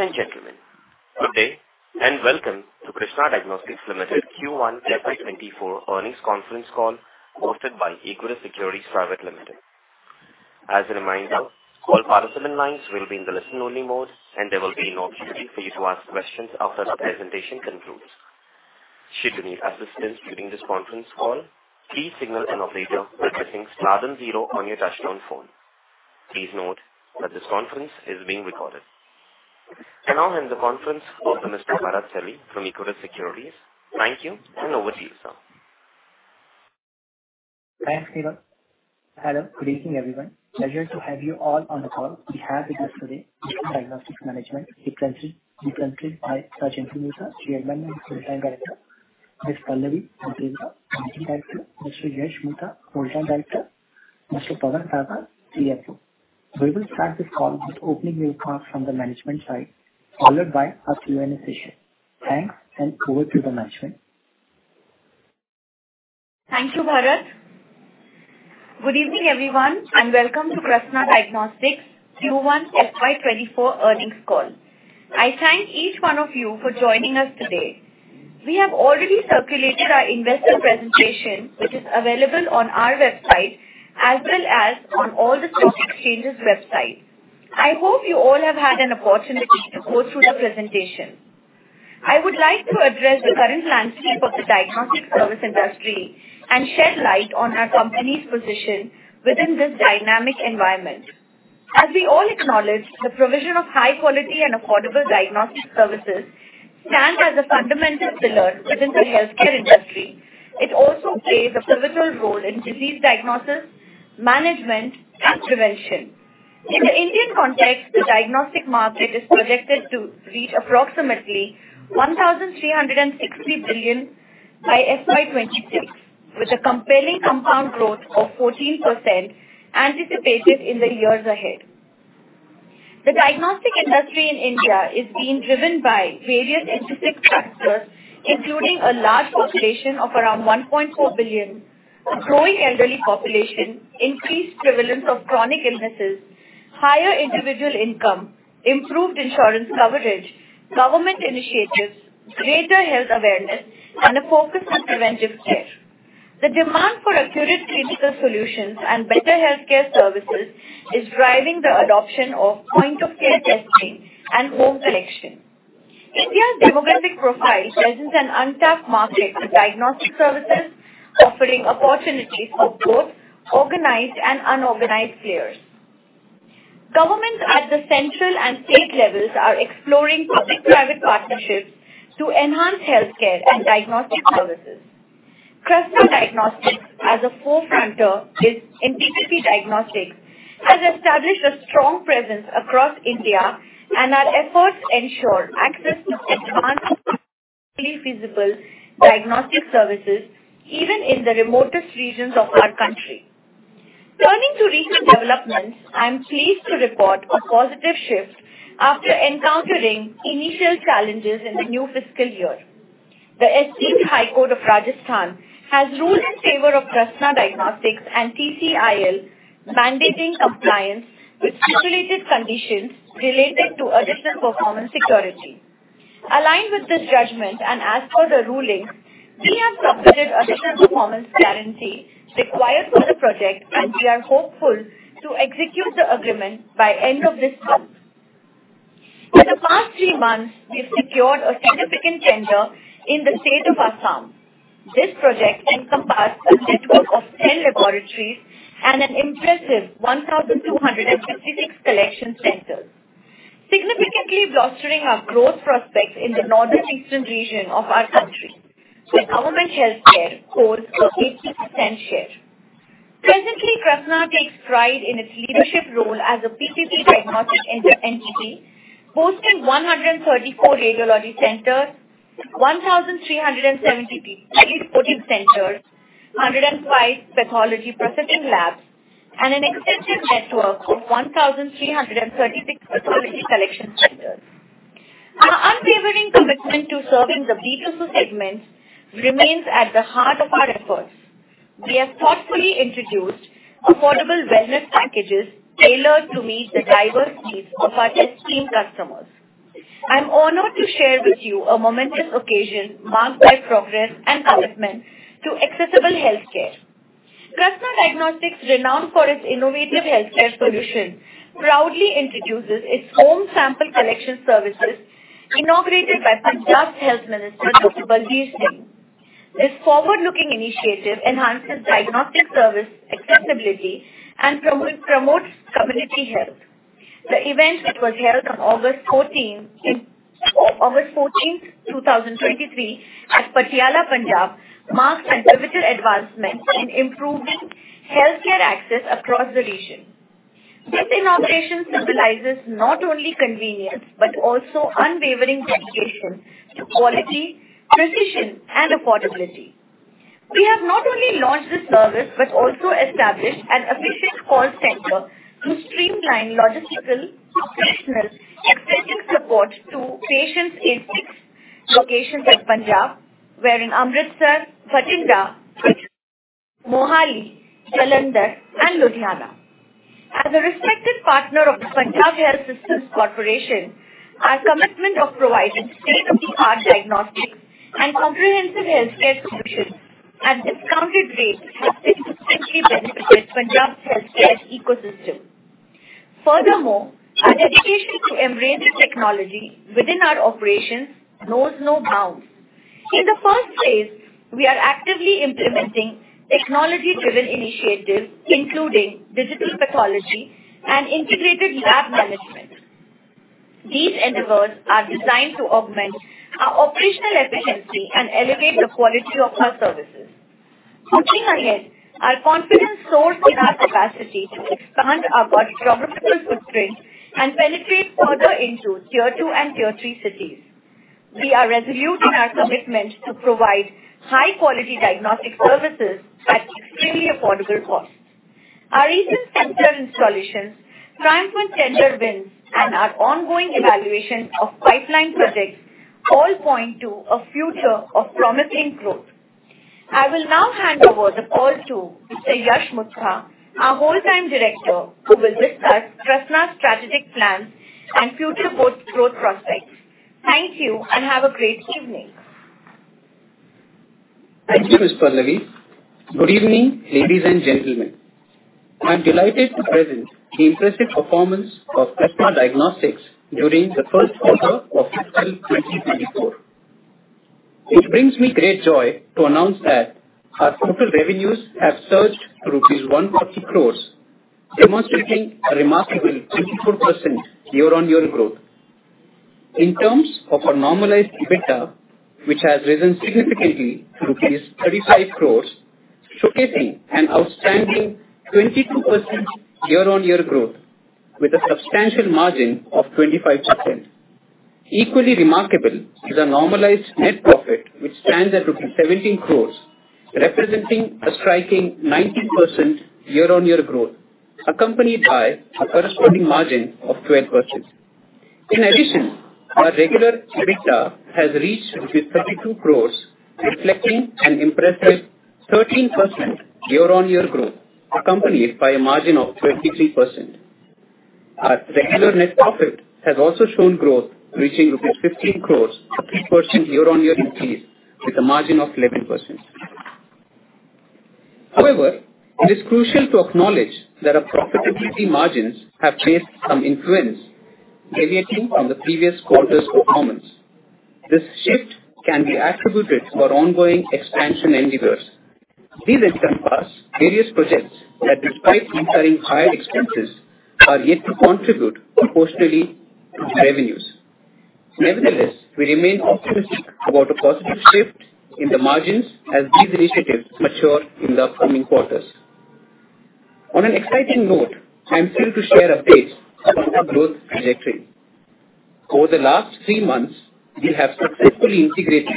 Ladies and gentlemen, good day, and welcome to Krsnaa Diagnostics Limited Q1 FY24 earnings conference call, hosted by Equirus Securities Private Limited. As a reminder, all participant lines will be in the listen-only mode, and there will be an opportunity for you to ask questions after the presentation concludes. Should you need assistance during this conference call, please signal an operator by pressing star 0 on your touch-tone phone. Please note that this conference is being recorded. I now hand the conference over to Mr. Bharat Celly from Equirus Securities. Thank you. Over to you, sir. Thanks, Neil. Hello, good evening, everyone. Pleasure to have you all on the call. We have with us today Krsnaa Diagnostics management, represented by Sir Rajendra Mutha, Chairman and Managing Director, Ms. Pallavi Bhatevara, Managing Director, Mr. Yash Mutha, Whole Time Director, Mr. Pawan Daga, CFO. We will start this call with opening remarks from the management side, followed by a Q&A session. Thanks, over to the management. Thank you, Bharat. Good evening, everyone, welcome to Krsnaa Diagnostics Q1 FY24 earnings call. I thank each one of you for joining us today. We have already circulated our investor presentation, which is available on our website, as well as on all the stock exchanges website. I hope you all have had an opportunity to go through the presentation. I would like to address the current landscape of the diagnostic service industry and shed light on our company's position within this dynamic environment. As we all acknowledge, the provision of high quality and affordable diagnostic services stands as a fundamental pillar within the healthcare industry. It also plays a pivotal role in disease diagnosis, management, and prevention. In the Indian context, the diagnostic market is projected to reach approximately 1,360 billion by FY26, with a compelling compound growth of 14% anticipated in the years ahead. The diagnostic industry in India is being driven by various intrinsic factors, including a large population of around 1.4 billion, a growing elderly population, increased prevalence of chronic illnesses, higher individual income, improved insurance coverage, government initiatives, greater health awareness, and a focus on preventive care. The demand for accurate clinical solutions and better healthcare services is driving the adoption of point-of-care testing and home collection. India's demographic profile presents an untapped market for diagnostic services, offering opportunities for both organized and unorganized players. Governments at the central and state levels are exploring public-private partnerships to enhance healthcare and diagnostic services. Krsnaa Diagnostics, as a forefront of this in PPP Diagnostics, has established a strong presence across India. Our efforts ensure access to advanced and feasible diagnostic services even in the remotest regions of our country. Turning to recent developments, I am pleased to report a positive shift after encountering initial challenges in the new fiscal year. The Hon'ble High Court of Rajasthan has ruled in favor of Krsnaa Diagnostics and TCIL, mandating compliance with stipulated conditions related to additional performance security. Aligned with this judgment and as per the ruling, we have submitted additional performance guarantee required for the project. We are hopeful to execute the agreement by end of this month. For the past 3 months, we've secured a significant tender in the state of Assam. This project encompasses a network of 10 laboratories and an impressive 1,256 collection centers, significantly bolstering our growth prospects in the northeastern region of our country, where government healthcare holds 80% share. Presently, Krsnaa takes pride in its leadership role as a PPP Diagnostics integrated entity, boasting 134 radiology centers, 1,373 pathology centers, 105 pathology processing labs, and an extensive network of 1,336 pathology collection centers. Our unwavering commitment to serving the B2C segment remains at the heart of our efforts. We have thoughtfully introduced affordable wellness packages tailored to meet the diverse needs of our esteemed customers. I'm honored to share with you a momentous occasion marked by progress and commitment to accessible healthcare. Krsnaa Diagnostics, renowned for its innovative healthcare solution, proudly introduces its home sample collection services, inaugurated by the Hon'ble Health Minister, Dr. Balbir Singh. This forward-looking initiative enhances diagnostic service accessibility and promotes community health. The event, which was held on August 14, 2023, at Patiala, Punjab, marked a pivotal advancement in improving healthcare access across the region. This inauguration symbolizes not only convenience, but also unwavering dedication to quality, precision, and affordability. We have not only launched this service, but also established an efficient call center to streamline logistical, operational, and technical support to patients in 6 locations at Punjab, where in Amritsar, Bathinda, Mohali, Jalandhar, and Ludhiana. As a respected partner of the Punjab Health Systems Corporation, our commitment of providing state-of-the-art diagnostics and comprehensive healthcare solutions at discounted rates has significantly benefited Punjab's healthcare ecosystem. Furthermore, our dedication to embracing technology within our operations knows no bounds. In the first phase, we are actively implementing technology-driven initiatives, including digital pathology and integrated lab management. These endeavors are designed to augment our operational efficiency and elevate the quality of our services. Looking ahead, our confidence soars in our capacity to expand our geographical footprint and penetrate further into Tier 2 and Tier 3 cities. We are resolute in our commitment to provide high-quality diagnostic services at extremely affordable costs. Our recent center installations, triumphant tender wins, and our ongoing evaluation of pipeline projects all point to a future of promising growth. I will now hand over the call to Mr. Yash Mutha, our Whole Time Director, who will discuss Krsnaa's strategic plans and future growth prospects. Thank you. Have a great evening. Thank you, Ms. Pallavi. Good evening, ladies and gentlemen. I'm delighted to present the impressive performance of Krsnaa Diagnostics during the first quarter of FY24. It brings me great joy to announce that our total revenues have surged to rupees 140 crore, demonstrating a remarkable 24% year-on-year growth. In terms of our normalized EBITDA, which has risen significantly to rupees 35 crore, showcasing an outstanding 22% year-on-year growth with a substantial margin of 25%. Equally remarkable is our normalized net profit, which stands at rupees 17 crore, representing a striking 19% year-on-year growth, accompanied by a corresponding margin of 12%. In addition, our regular EBITDA has reached 32 crore, reflecting an impressive 13% year-on-year growth, accompanied by a margin of 23%. Our regular net profit has also shown growth, reaching rupees 15 crores, a 3% year-on-year increase with a margin of 11%. However, it is crucial to acknowledge that our profitability margins have faced some influence deviating from the previous quarter's performance. This shift can be attributed to our ongoing expansion endeavors. These encompass various projects that, despite incurring higher expenses, are yet to contribute proportionally to revenues. Nevertheless, we remain optimistic about a positive shift in the margins as these initiatives mature in the upcoming quarters. On an exciting note, I am thrilled to share updates on our growth trajectory. Over the last three months, we have successfully integrated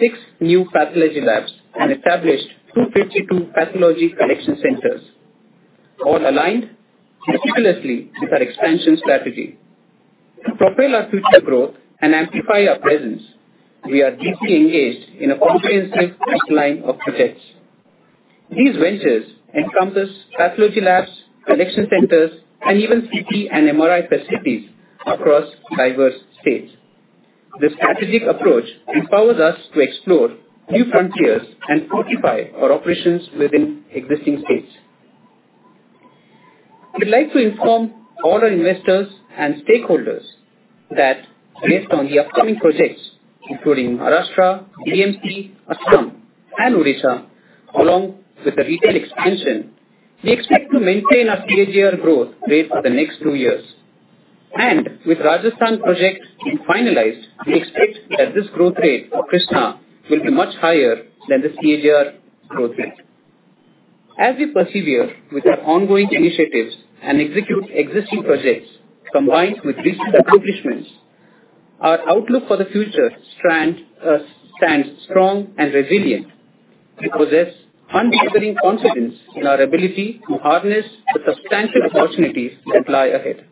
six new pathology labs and established 252 pathology collection centers, all aligned meticulously with our expansion strategy. To propel our future growth and amplify our presence, we are deeply engaged in a comprehensive pipeline of projects. These ventures encompass pathology labs, collection centers, and even CT and MRI facilities across diverse states. This strategic approach empowers us to explore new frontiers and fortify our operations within existing states. We'd like to inform all our investors and stakeholders that based on the upcoming projects, including Maharashtra, BMC, Assam, and Odisha, along with the retail expansion, we expect to maintain our CAGR growth rate for the next two years. With Rajasthan projects being finalized, we expect that this growth rate for Krishna will be much higher than the CAGR growth rate. As we persevere with our ongoing initiatives and execute existing projects combined with recent accomplishments, our outlook for the future strand stands strong and resilient. We possess unwavering confidence in our ability to harness the substantial opportunities that lie ahead.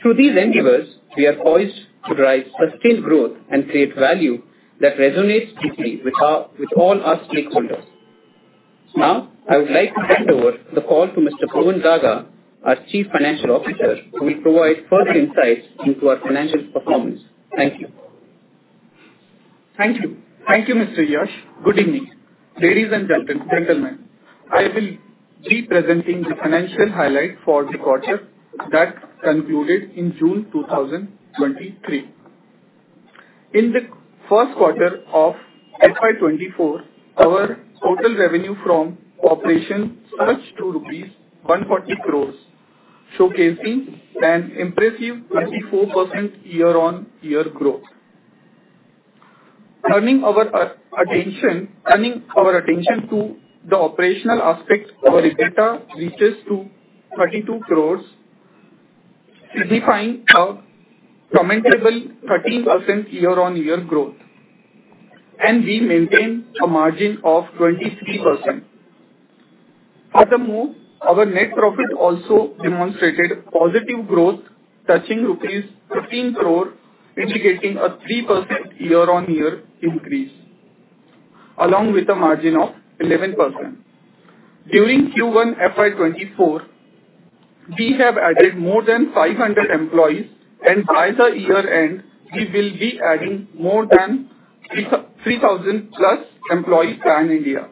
Through these endeavors, we are poised to drive sustained growth and create value that resonates deeply with all our stakeholders. Now, I would like to hand over the call to Mr. Pawan Daga, our Chief Financial Officer, who will provide further insights into our financial performance. Thank you. Thank you. Thank you, Mr. Yash. Good evening, ladies and gentlemen. I will be presenting the financial highlight for the quarter that concluded in June 2023. In the first quarter of FY24, our total revenue from operations surged to rupees 140 crore, showcasing an impressive 24% year-on-year growth. Turning our attention to the operational aspect, our EBITDA reaches to INR 32 crore, signifying a commendable 13% year-on-year growth, and we maintain a margin of 23%. Furthermore, our net profit also demonstrated positive growth, touching rupees 15 crore, indicating a 3% year-on-year increase, along with a margin of 11%. During Q1 FY24, we have added more than 500 employees, by the year end, we will be adding more than 3,000+ employees pan India,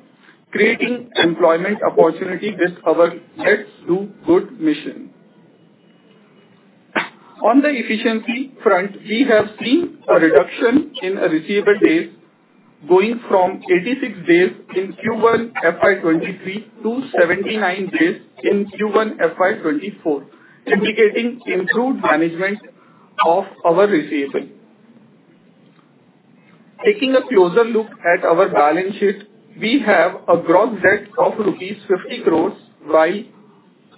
creating employment opportunity with our Let's Do Good mission. On the efficiency front, we have seen a reduction in receivable days, going from 86 days in Q1 FY23 to 79 days in Q1 FY24, indicating improved management of our receivable. Taking a closer look at our balance sheet, we have a gross debt of rupees 50 crores while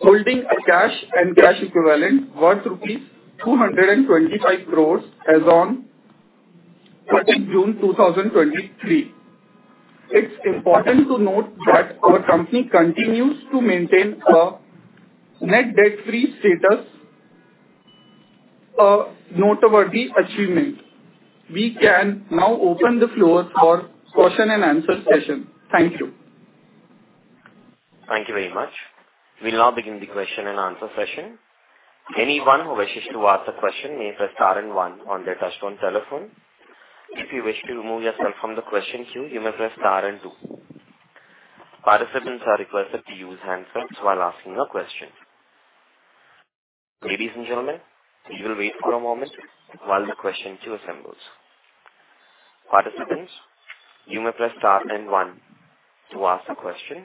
holding a cash and cash equivalent worth rupees 225 crores as on 30 June 2023. It's important to note that our company continues to maintain a net debt-free status, a noteworthy achievement. We can now open the floor for question and answer session. Thank you. Thank you very much. We'll now begin the question and answer session. Anyone who wishes to ask a question may press star and one on their touchtone telephone. If you wish to remove yourself from the question queue, you may press star and two. Participants are requested to use handsets while asking a question. Ladies and gentlemen, we will wait for a moment while the question queue assembles. Participants, you may press star and one to ask a question.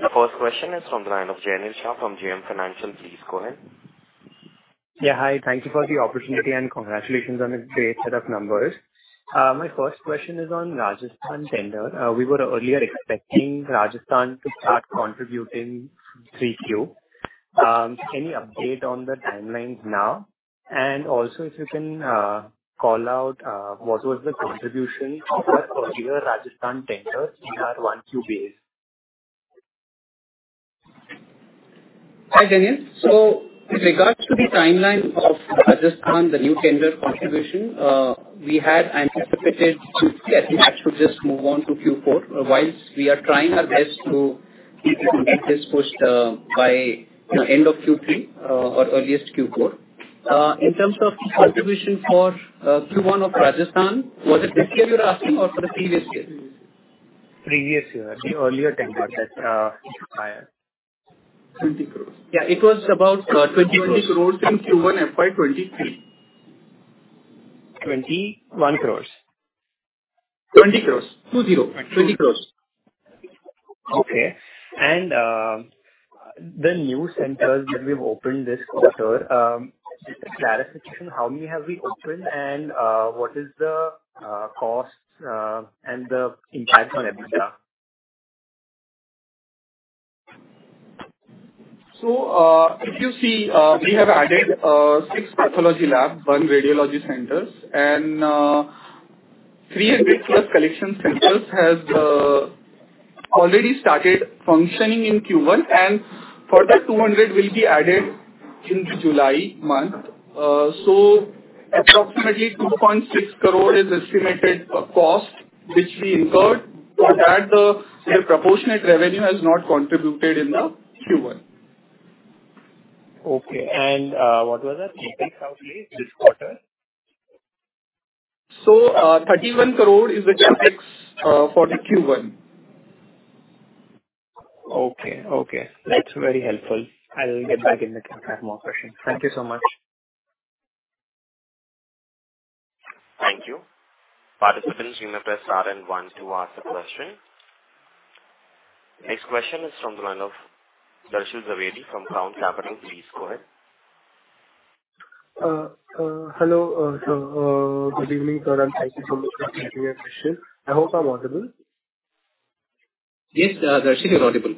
The first question is from the line of Jainil Shah from JM Financial. Please go ahead. Yeah. Hi. Thank you for the opportunity, and congratulations on this great set of numbers. My first question is on Rajasthan tender. We were earlier expecting Rajasthan to start contributing 3Q. Any update on the timelines now? Also, if you can call out what was the contribution of the earlier Rajasthan tenders in our 1Q base? Hi, Daniel. In regards to the timeline of Rajasthan, the new tender contribution, we had anticipated that to just move on to Q4, whilst we are trying our best to keep it, get this pushed by end of Q3, or earliest Q4. In terms of the contribution for Q1 of Rajasthan, was it this year you're asking or for the previous year? Previous year, the earlier tender that acquired. 20 crore. Yeah, it was about 20 crores. 20 crore in Q1 FY23. 21 crore? 20 crores. 20, 20 crores. Okay. The new centers that we've opened this quarter, just a clarification, how many have we opened, and, what is the, cost, and the impact on EBITDA? If you see, we have added, six pathology lab, one radiology centers, and 300+ collection centers has already started functioning in Q1. Further 200 will be added in the July month. Approximately 2.6 crore is estimated cost, which we incurred, but at the proportionate revenue has not contributed in the Q1. Okay. What was that? CapEx, how late this quarter? 31 crore is the CAPEX for the Q1. Okay. Okay, that's very helpful. I'll get back in touch if I have more questions. Thank you so much. Thank you. Participants, you may press star and 1 to ask a question. Next question is from the line of Darshan Jhaveri from Crown Capital. Please go ahead. Hello, good evening, sir, and thank you for the opportunity. I hope I'm audible. Yes, Darshan, you're audible.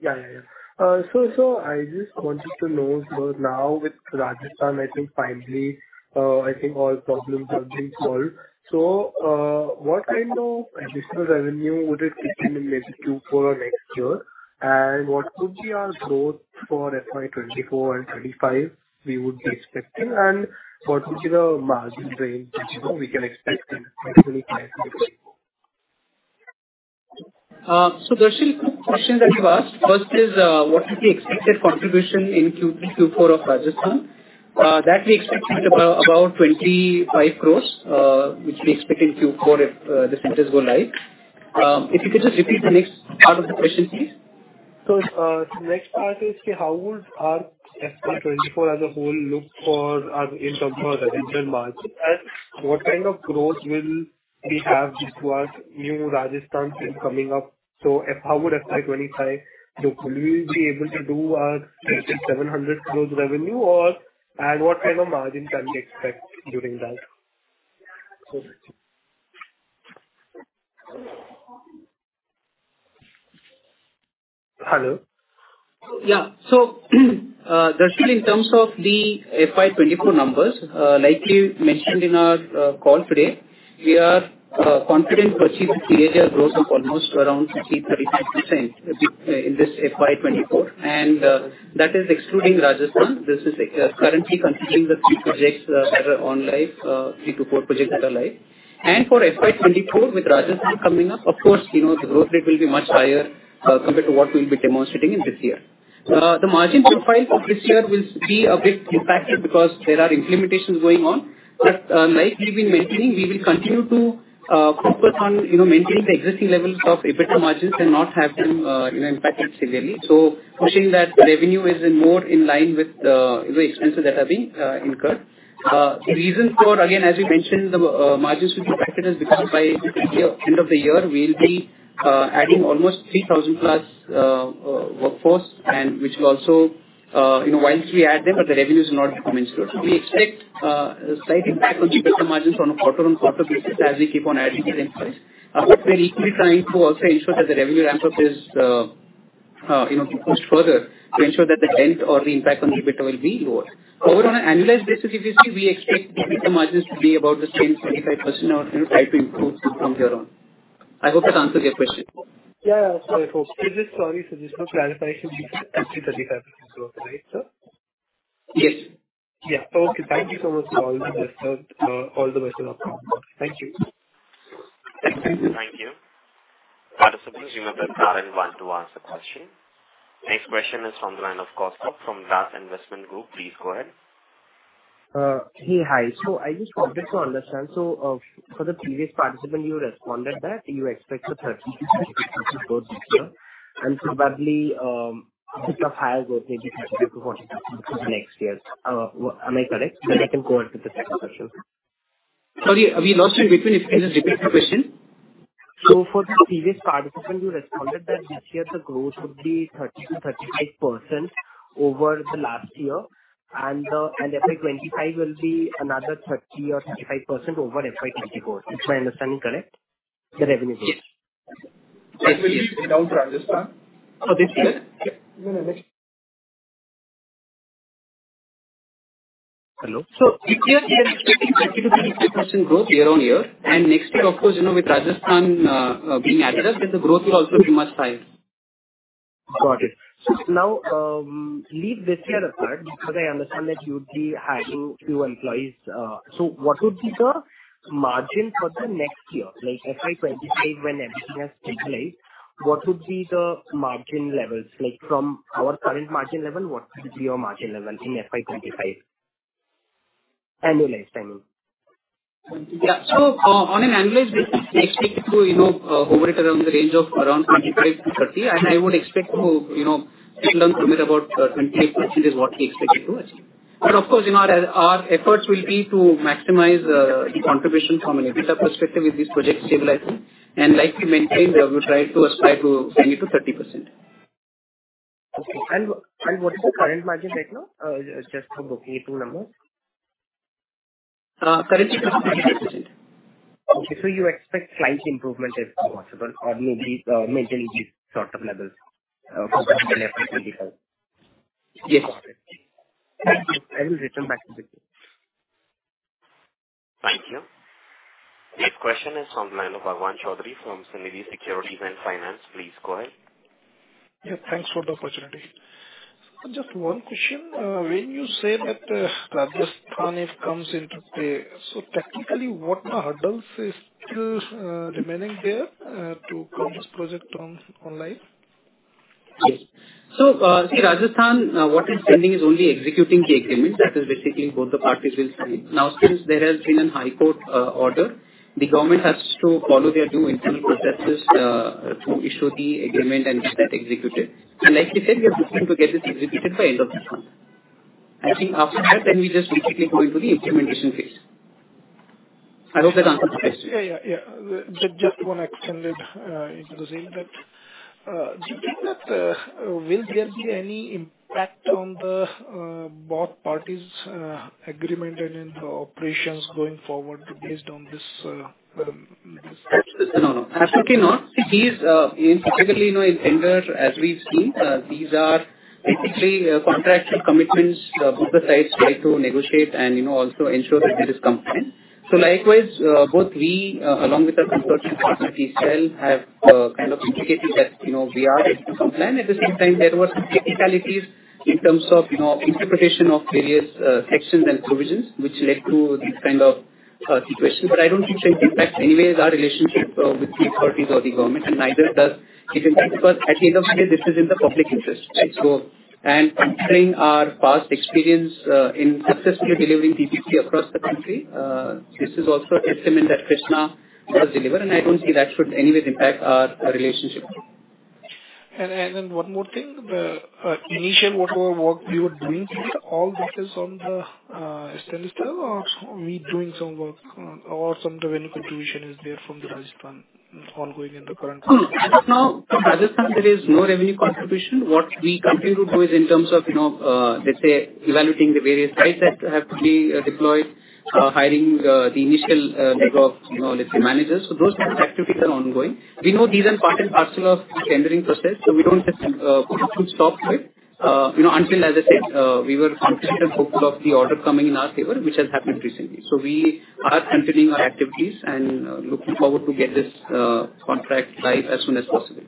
Yeah, yeah. So I just wanted to know, so now with Rajasthan, I think finally, I think all problems have been solved. What kind of additional revenue would it keep in maybe Q4 or next year? What could be our growth for FY 2024 and 2025 we would be expecting, and what particular margin range, you know, we can expect in FY 2024? Darshan, questions that you've asked, first is, what is the expected contribution in Q4 of Rajasthan? That we expect about 25 crore, which we expect in Q4 if the centers go live. If you could just repeat the next part of the question, please. The next part is, how would our FY24 as a whole look for us in terms of residential margin? What kind of growth will we have towards new Rajasthan coming up? How would FY25 look? Will we be able to do our 600 crore-700 crore revenue, or... What kind of margin can we expect during that? Hello? Yeah. That's in terms of the FY24 numbers. Like you mentioned in our call today, we are confident to achieve the growth of almost around 30%-35% in this FY24, that is excluding Rajasthan. This is currently considering the three projects that are on life, three to four projects that are live. For FY24, with Rajasthan coming up, of course, you know, the growth rate will be much higher compared to what we'll be demonstrating in this year. The margin profile for this year will be a bit impacted because there are implementations going on. Like we've been mentioning, we will continue to focus on, you know, maintaining the existing levels of EBITDA margins and not have them, you know, impacted severely. Ensuring that revenue is in more in line with, you know, expenses that are being incurred. The reason for, again, as we mentioned, the margins will be impacted is because by the end of the year, we'll be adding almost 3,000+ workforce, and which will also. You know, once we add them, but the revenues not come in. We expect slight impact on EBITDA margins on a quarter-on-quarter basis as we keep on adding the employees. We're equally trying to also ensure that the revenue ramp-up is, you know, pushed further to ensure that the length or the impact on EBITDA will be lower. On an annualized basis, obviously, we expect EBITDA margins to be about the same, 25%, or, you know, try to improve from here on. I hope that answers your question. Yeah, yeah. Sorry for just sorry, so just for clarification, 30-35% growth, right, sir? Yes. Yeah. Okay, thank you so much for all the all the best. Thank you. Thank you. Participants, you may press star and one to ask a question. Next question is from the line of Kaustubh from Das Investment Group. Please go ahead. Hey, hi. I just wanted to understand, for the previous participant, you responded that you expect the 30% this year, and probably a bit of higher growth, maybe 30%-40% for the next year. Am I correct? I can go on to the second question. Sorry, we lost you midway. Can you just repeat the question? For the previous participant, you responded that this year the growth would be 30%-35% over the last year, FY25 will be another 30% or 35% over FY24. Is my understanding correct? The revenue growth. Down for Rajasthan? For this year. Hello. If you are expecting 30%-35% growth year-on-year, and next year, of course, you know, with Rajasthan being added, then the growth will also be much higher. Got it. Now, leave this year aside, because I understand that you'd be adding new employees. What would be the margin for the next year? Like FY25, when everything has stabilized, what would be the margin levels? Like, from our current margin level, what would be your margin level in FY25? Annualized, I mean. Yeah. On, on an annualized basis, we expect to, you know, hover it around the range of around 25-30. I would expect to, you know, settle down to about 28% is what we expect it to achieve. Of course, you know, our, our efforts will be to maximize the contribution from an EBITDA perspective with this project stabilizing. Like we maintained, we would try to aspire to 20-30%. Okay. What is the current margin right now? just for booking a 2 number. Current is 28%. Okay, you expect slight improvement, if possible, or maybe, maintain these sort of levels, for FY25? Yes. Got it. Thank you. I will return back to you. Thank you. The next question is from the line of Avanneesh Chandra from Sunidhi Securities and Finance. Please go ahead. Yeah, thanks for the opportunity. Just one question. When you say that, Rajasthan, it comes into play, so technically, what are the hurdles is still remaining there, to bring this project on, on life? Yes. See, Rajasthan, what is pending is only executing the agreement. That is basically both the parties will sign. Since there has been a high court order, the government has to follow their due internal processes, to issue the agreement and get that executed. Like we said, we are looking to get this executed by end of this month. After that, then we just basically go into the implementation phase. I hope that answers your question. Yeah, yeah, yeah. Just want to extend it into the saying that do you think that will there be any impact on the both parties agreement and in the operations going forward based on this this? No, no, absolutely not. It is, in particularly, you know, in tender, as we've seen, these are basically, contractual commitments. Both the sides try to negotiate and, you know, also ensure that it is compliant. Likewise, both we, along with our consulting partners itself, have kind of indicated that, you know, we are in compliant. At the same time, there were some technicalities in terms of, you know, interpretation of various, sections and provisions, which led to this kind of, situation. I don't think it impacts anyways our relationship, with the authorities or the government, and neither does it impact, because at the end of the day, this is in the public interest. Considering our past experience, in successfully delivering PPP across the country, this is also a testament that Krsnaa does deliver, and I don't see that should anyway impact our, our relationship. One more thing, the initial work you were doing, all that is on the standstill, or we doing some work, or some revenue contribution is there from the Rajasthan ongoing in the current? As of now, from Rajasthan, there is no revenue contribution. What we continue to do is in terms of, you know, let's say, evaluating the various sites that have to be, deployed, hiring, the initial, you know, let's say, managers. Those types of activities are ongoing. We know these are part and parcel of the tendering process, so we don't just, put a full stop to it. you know, until, as I said, we were confident and hopeful of the order coming in our favor, which has happened recently. We are continuing our activities and, looking forward to get this, contract live as soon as possible.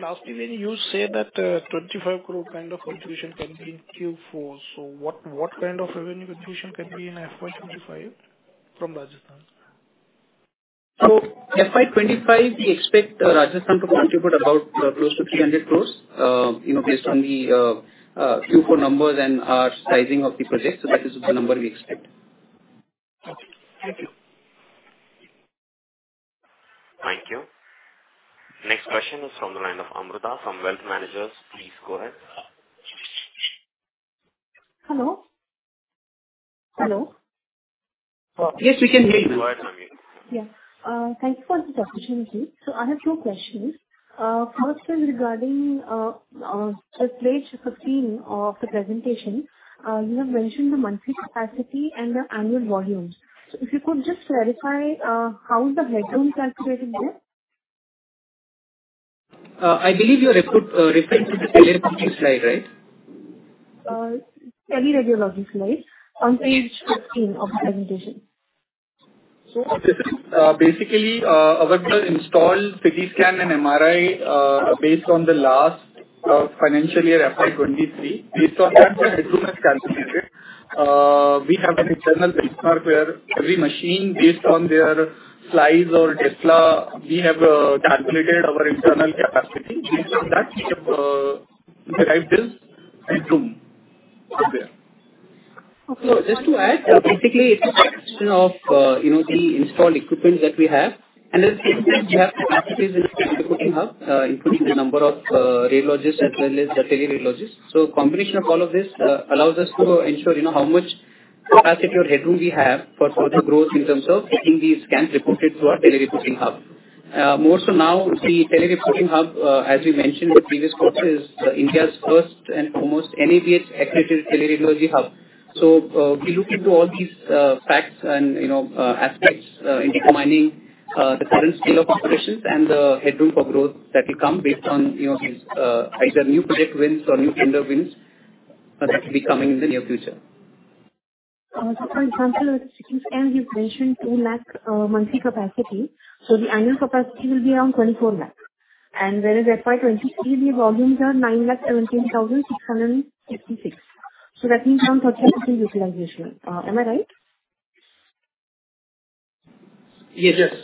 Lastly, when you say that, 25 crore kind of contribution can be in Q4, what kind of revenue contribution can be in FY25 from Rajasthan? FY25, we expect Rajasthan to contribute about close to 300 crore, you know, based on the Q4 numbers and our sizing of the project. That is the number we expect. Okay. Thank you. Thank you. Next question is from the line of Amrita from Wealth Managers. Please go ahead. Hello? Hello. Yes, we can hear you. Go ahead, Amrita. Yeah. Thank you for this opportunity. I have two questions. First one regarding the page 15 of the presentation. You have mentioned the monthly capacity and the annual volumes. If you could just clarify how the headroom calculated there? I believe you are referring to the slide, right? Teleradiology slide on page 15 of the presentation. Basically, our installed CT scan and MRI, based on the last financial year, FY23, based on that headroom is calculated. We have an internal benchmark where every machine, based on their size or Tesla, we have calculated our internal capacity. Based on that, we have derived this headroom. Okay. Just to add, basically, it's a question of, you know, the installed equipment that we have, and then we have capacities in terms of putting up, including the number of radiologists as well as the teleradiologists. Combination of all of this allows us to ensure, you know, how much capacity or headroom we have for further growth in terms of getting these scans reported through our telereporting hub. More so now, the telereporting hub, as we mentioned in the previous calls, is India's first and foremost NABL accredited Teleradiology hub. We look into all these facts and, you know, aspects in determining the current scale of operations and the headroom for growth that will come based on, you know, these either new project wins or new tender wins that will be coming in the near future. For example, you've mentioned 2 lakh monthly capacity, so the annual capacity will be around 24 lakh. Whereas at FY23, the volumes are 9,17,666. That means some percentage utilization. Am I right? Yes, yes.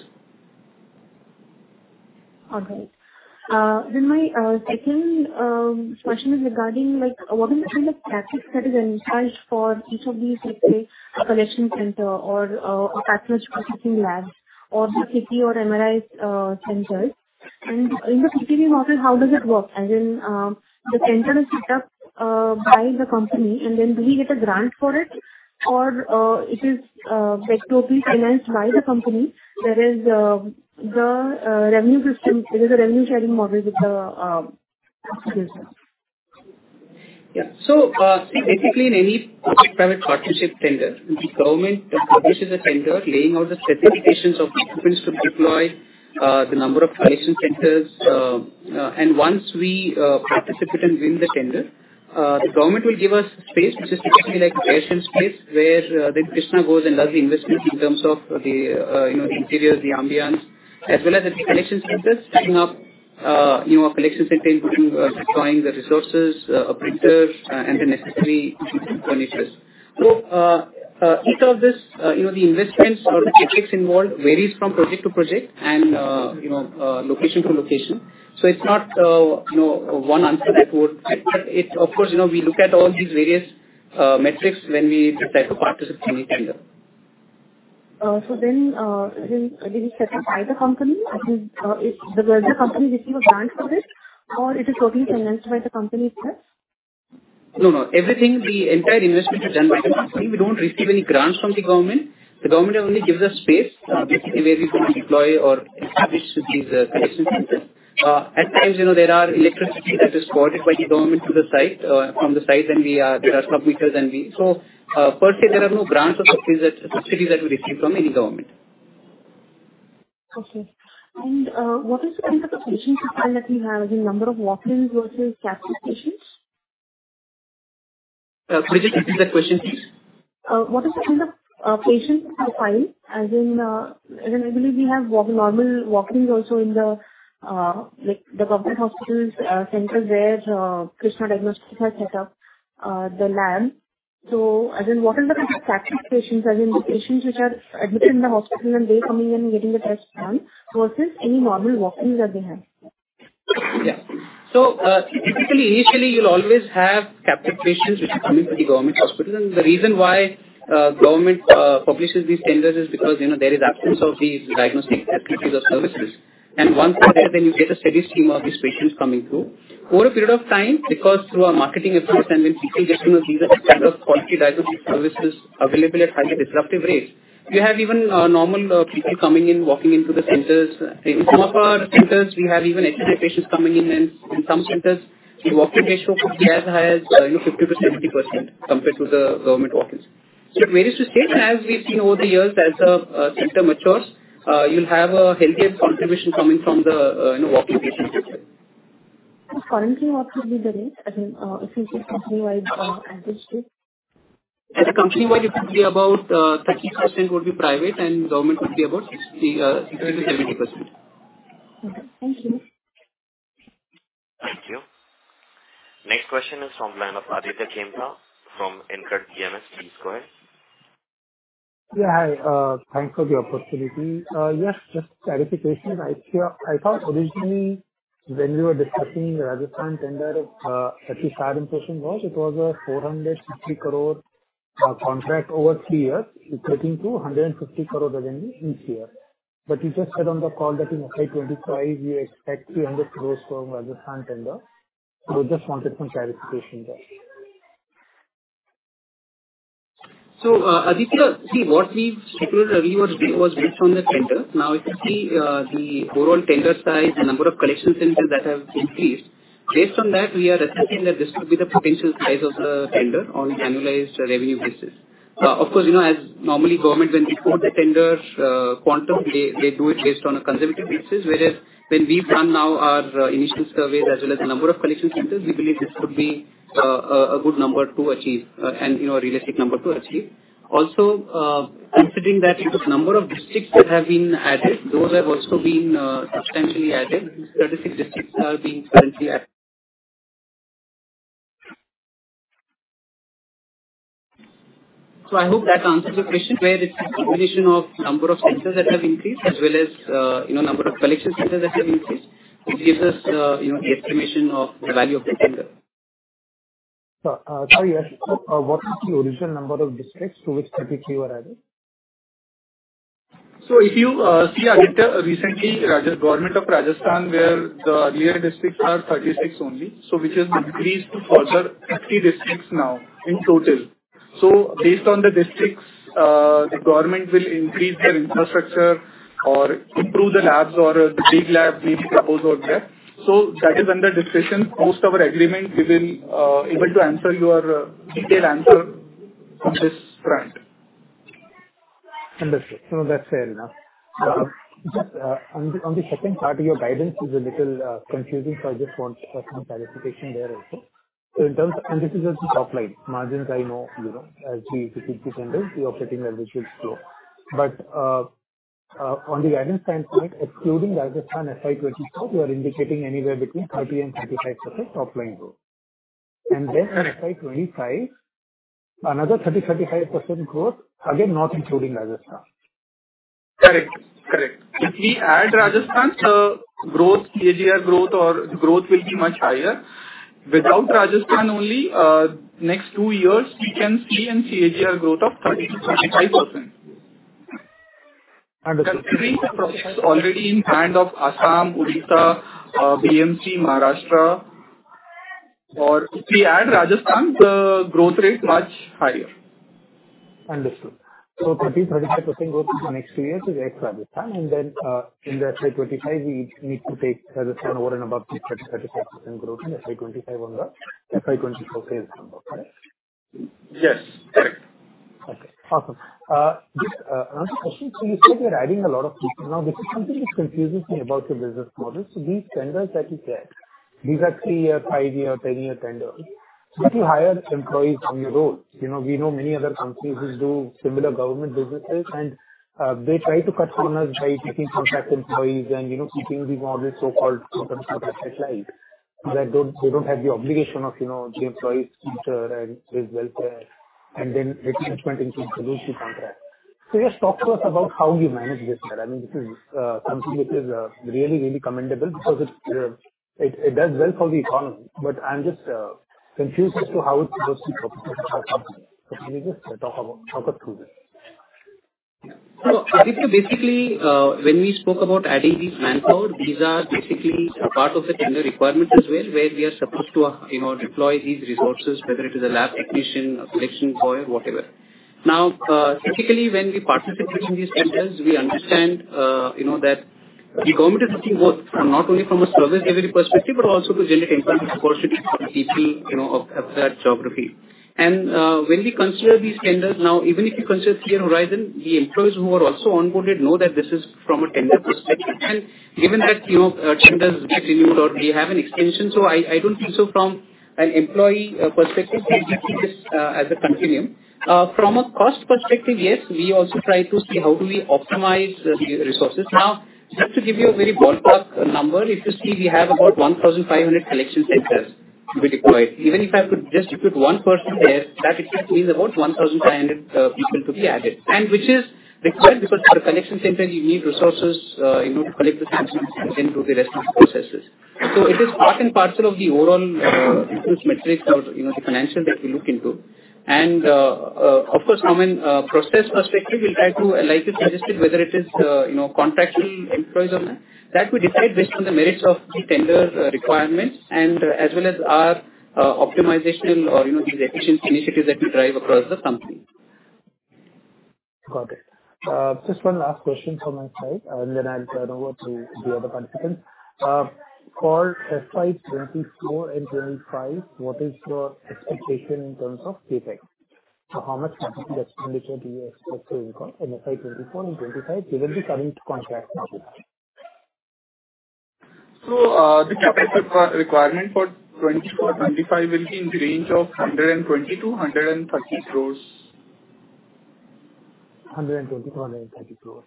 Okay. Then my second question is regarding, like, what is the kind of CapEx that is incurred for each of these, like the collection center or a pathology processing lab or the CT or MRI centers. In the PPP model, how does it work? As in, the center is set up by the company, and then do we get a grant for it, or it is completely financed by the company, that is, the revenue system, there is a revenue-sharing model with the institution? Yeah. Basically, in any public-private partnership tender, the government publishes a tender laying out the specifications of the equipment to deploy, the number of collection centers. Once we participate and win the tender, the government will give us space, which is basically like a patient space, where then Krsnaa goes and does the investment in terms of the, you know, the interior, the ambiance, as well as the collection centers, setting up, you know, a collection center, including deploying the resources, printers, and the necessary furnitures. Each of these, you know, the investments or the CapEx involved varies from project to project and, you know, location to location. It's not, you know, one answer that would... It, of course, you know, we look at all these various metrics when we decide to participate in any tender. Then, then they be set up by the company? I think, if does the company receive a grant for this, or it is totally financed by the company itself? No, no. Everything, the entire investment is done by the company. We don't receive any grants from the government. The government only gives us space, basically where we can deploy or establish these, collection centers. At times, you know, there are electricity that is provided by the government to the site, from the site, and we, there are sub-meters and we. Per se, there are no grants or subsidies that we receive from any government. Okay. What is the kind of the patient profile that you have, the number of walk-ins versus captive patients? Could you repeat the question, please? What is the kind of patient profile? As in, as in I believe we have walk, normal walk-ins also in the, like, the government hospitals, centers where Krsnaa Diagnostics has set up the lab. As in, what are the kind of captive patients, as in the patients which are admitted in the hospital and they're coming in and getting the tests done, versus any normal walk-ins that they have? Yeah. Typically, initially, you'll always have captive patients which are coming to the government hospital. The reason why, government publishes these tenders is because, you know, there is absence of these diagnostic attributes or services. Once you're there, then you get a steady stream of these patients coming through. Over a period of time, because through our marketing efforts and when people get to know these are the kind of quality diagnostic services available at highly disruptive rates, you have even, normal people coming in, walking into the centers. In some of our centers, we have even educated patients coming in, and in some centers, the walk-in ratio could be as high as, you know, 50%-70%, compared to the government walk-ins. It varies to state, and as we've seen over the years, as the sector matures, you'll have a healthier contribution coming from the, you know, walking patients as well. Currently, what would be the rate? I mean, if you could company-wide average it. As a company-wide, it would be about, 30% would be private, and government would be about 60, 70%. Okay, thank you. Thank you. Next question is from line of Aditya Khemka, from InCred Asset Management. Yeah, hi, thanks for the opportunity. Yes, just clarification. I thought originally when we were discussing the Rajasthan tender of 37% was, it was an 460 crore contract over three years, equating to 150 crore revenue each year. You just said on the call that in FY25, we expect 300 crore from Rajasthan tender. Just wanted some clarification there. Aditya, see, what we scheduled earlier was based on the tender. Now, if you see, the overall tender size, the number of collection centers that have increased, based on that, we are assuming that this could be the potential size of the tender on annualized revenue basis. Of course, you know, as normally governments, when they quote the tender, quantum, they, they do it based on a conservative basis. Whereas when we've done now our initial surveys, as well as the number of collection centers, we believe this could be a good number to achieve, and, you know, a realistic number to achieve. Also, considering that it was number of districts that have been added, those have also been substantially added. 36 districts are being currently added. I hope that answers your question, where it's a combination of number of centers that have increased, as well as, you know, number of collection centers that have increased. It gives us, you know, the estimation of the value of the tender. Sorry, yes. What is the original number of districts to which specifically you are adding? If you see, Aditya, recently, government of Rajasthan, where the earlier districts are 36 only, so which has increased to further 50 districts now in total. Based on the districts, the government will increase their infrastructure or improve the labs or the big lab we propose over there. That is under discussion. Post our agreement, we will able to answer your detailed answer on this front. Understood. No, that's fair enough. Uh- Just on the, on the second part, your guidance is a little confusing, so I just want some clarification there also. In terms... This is just the top line. Margins, I know, you know, as we execute the tenders, the operating leverage is low. On the guidance standpoint, excluding Rajasthan FY24, you are indicating anywhere between 30%-35% top-line growth. Then on FY25, another 30%-35% growth, again, not including Rajasthan. Correct. Correct. If we add Rajasthan, the growth, CAGR growth or growth will be much higher. Without Rajasthan only, next two years, we can see a CAGR growth of 30%-35%. Understood. Already in hand of Assam, Odisha, BMC, Maharashtra, or if we add Rajasthan, the growth rate much higher. Understood. 30%-35% growth in the next two years is ex Rajasthan, and then, in FY25, we need to take Rajasthan over and above the 30%-35% growth in FY25 on the FY24 sales number, correct? Yes, correct. Okay, awesome. Just another question. You said you're adding a lot of people. Now, this is something which confuses me about your business model. These tenders that you said, these are 3-year, 5-year, 10-year tenders. If you hire employees on your own, you know, we know many other companies who do similar government businesses, and they try to cut corners by taking contract employees and, you know, keeping the more so-called bottom contract life. They don't have the obligation of, you know, the employee's future and his welfare, and then it went into solution contract. Just talk to us about how you manage this, sir. I mean, this is something which is really, really commendable because it's it, it does well for the economy, but I'm just confused as to how it goes to talk about- talk us through this. Aditya, basically, when we spoke about adding this manpower, these are basically a part of the tender requirements as well, where we are supposed to, you know, deploy these resources, whether it is a lab technician, a collection boy, whatever. Now, typically, when we participate in these tenders, we understand, you know, that the government is looking both from, not only from a service delivery perspective, but also to generate employment opportunities for the people, you know, of, of that geography. When we consider these tenders now, even if you consider clear horizon, the employees who are also onboarded know that this is from a tender perspective. Given that, you know, tenders get renewed or they have an extension, so I, I don't think so from an employee perspective, we keep this as a continuum. From a cost perspective, yes, we also try to see how do we optimize the resources. Now, just to give you a very ballpark number, if you see, we have about 1,500 collection centers to be deployed. Even if I could just put 1 person there, that it means about 1,500 people to be added, and which is required because for a collection center, you need resources, you know, to collect the specimens and do the rest of the processes. So it is part and parcel of the overall resource metrics or, you know, the financial that we look into. Of course, from a process perspective, we'll try to, like you suggested, whether it is, you know, contractual employees or not. That we decide based on the merits of the tender, requirements and as well as our optimization or, you know, these efficiency initiatives that we drive across the company. Got it. Just one last question from my side, and then I'll turn over to the other participants. For FY 2024 and 2025, what is your expectation in terms of CapEx? How much capital expenditure do you expect to incur in FY 2024 and 2025, given the current contracts? The capital requirement for 2024-2025 will be in the range of 120 crore-130 crore. 120 crore-130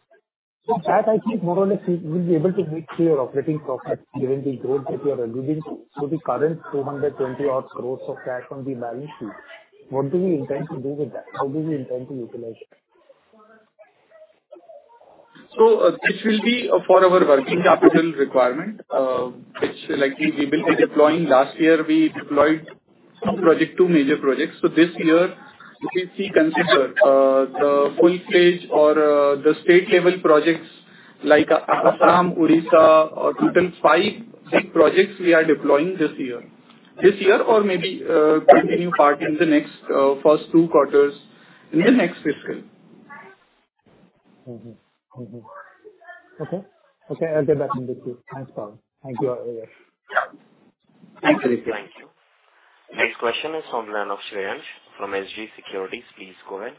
crore. That I think more or less, you will be able to meet your operating profit given the growth that you are alluding to. The current 220 crore of cash on the balance sheet, what do we intend to do with that? How do we intend to utilize it? This will be for our working capital requirement, which likely we will be deploying. Last year, we deployed project, 2 major projects. This year, if you see, consider the full page or the state-level projects like Assam, Odisha, or total 5 big projects we are deploying this year. This year or maybe, continuing part in the next, first 2 quarters in the next fiscal. Mm-hmm. Mm-hmm. Okay. Okay, I'll get back then with you. Thanks, Paul. Thank you all. Yeah. Thank you. Thank you. Next question is from Shreyansh Jain from SJC Securities. Please go ahead.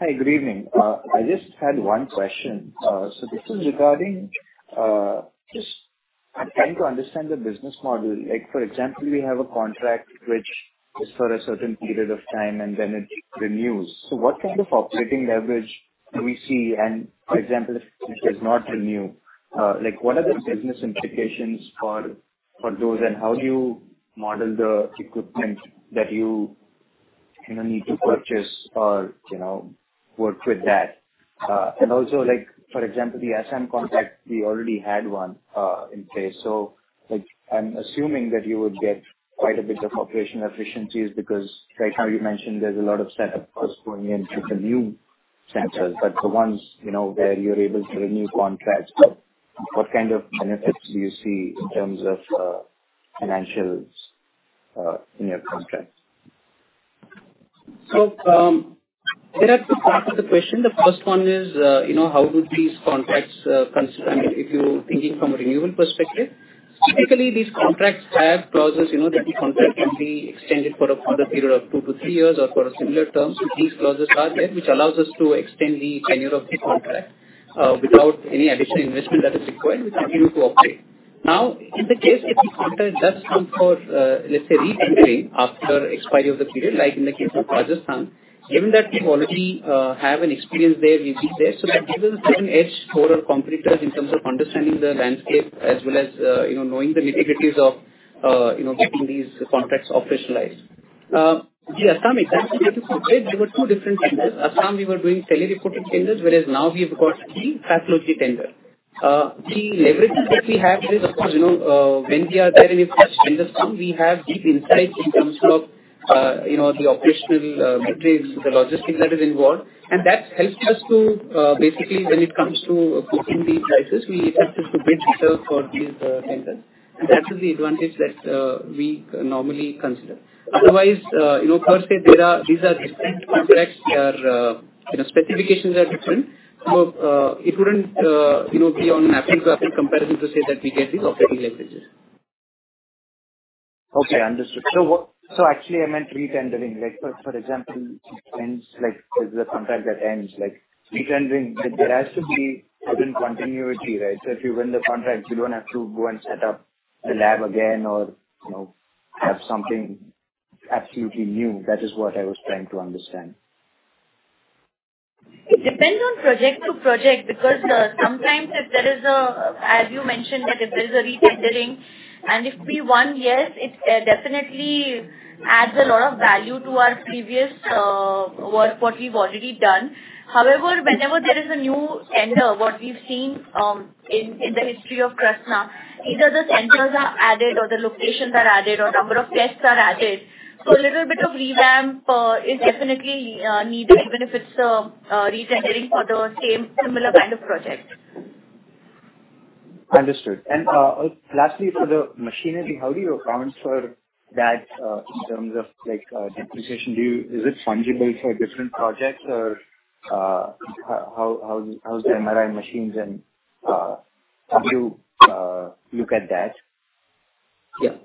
Hi, good evening. I just had one question. This is regarding, just I'm trying to understand the business model. Like, for example, we have a contract which is for a certain period of time, then it renews. What kind of operating leverage do we see? For example, if it does not renew, like, what are the business implications for, for those, and how do you model the equipment that you, you know, need to purchase or, you know, work with that? Also, like, for example, the Assam contract, we already had one in place. Like, I'm assuming that you would get quite a bit of operational efficiencies because right now you mentioned there's a lot of setup costs going in to the new centers. The ones, you know, where you're able to renew contracts, what kind of benefits do you see in terms of financials in your contracts? There are two parts of the question. The first one is, you know, how do these contracts, consider... I mean, if you're thinking from a renewal perspective, typically these contracts have clauses, you know, that the contract can be extended for a further period of two to three years or for similar terms. These clauses are there, which allows us to extend the tenure of the contract, without any additional investment that is required, which continue to operate. Now, in the case if the contract does come for, let's say, re-tendering after expiry of the period, like in the case of Rajasthan, given that we already, have an experience there, we've been there. That gives us a certain edge over our competitors in terms of understanding the landscape as well as, you know, knowing the nitty-gritties of, you know, getting these contracts operationalized. The Assam contract, there were two different tenders. Assam, we were doing tele reported tenders, whereas now we've got the pathology tender. The leverage that we have is, of course, you know, when we are there in a first tender sum, we have deep insights in terms of, you know, the operational metrics, the logistics that is involved. That helps us to, basically, when it comes to quoting the prices, we are able to bid ourselves for these tenders. That is the advantage that we normally consider. Otherwise, you know, per se, these are different contracts. Their, you know, specifications are different. It wouldn't, you know, be on an apples-to-apples comparison to say that we get these operating leverages. Okay, understood. Actually, I meant re-tendering, like, for example, when, like, there's a contract that ends, like re-tendering, there has to be certain continuity, right? If you win the contract, you don't have to go and set up the lab again or, you know, have something absolutely new. That is what I was trying to understand. It depends on project to project, because sometimes if there is a, as you mentioned, like, if there's a re-tendering and if we won, yes, it definitely adds a lot of value to our previous work, what we've already done. However, whenever there is a new tender, what we've seen in the history of Krsnaa, either the centers are added or the locations are added or number of tests are added. So a little bit of revamp is definitely needed, even if it's a re-tendering for the same similar kind of project. Understood. Lastly, for the machinery, how do you account for that, in terms of, like, depreciation? Is it fungible for different projects or, how, how, how's the MRI machines and, how do you look at that? Yeah.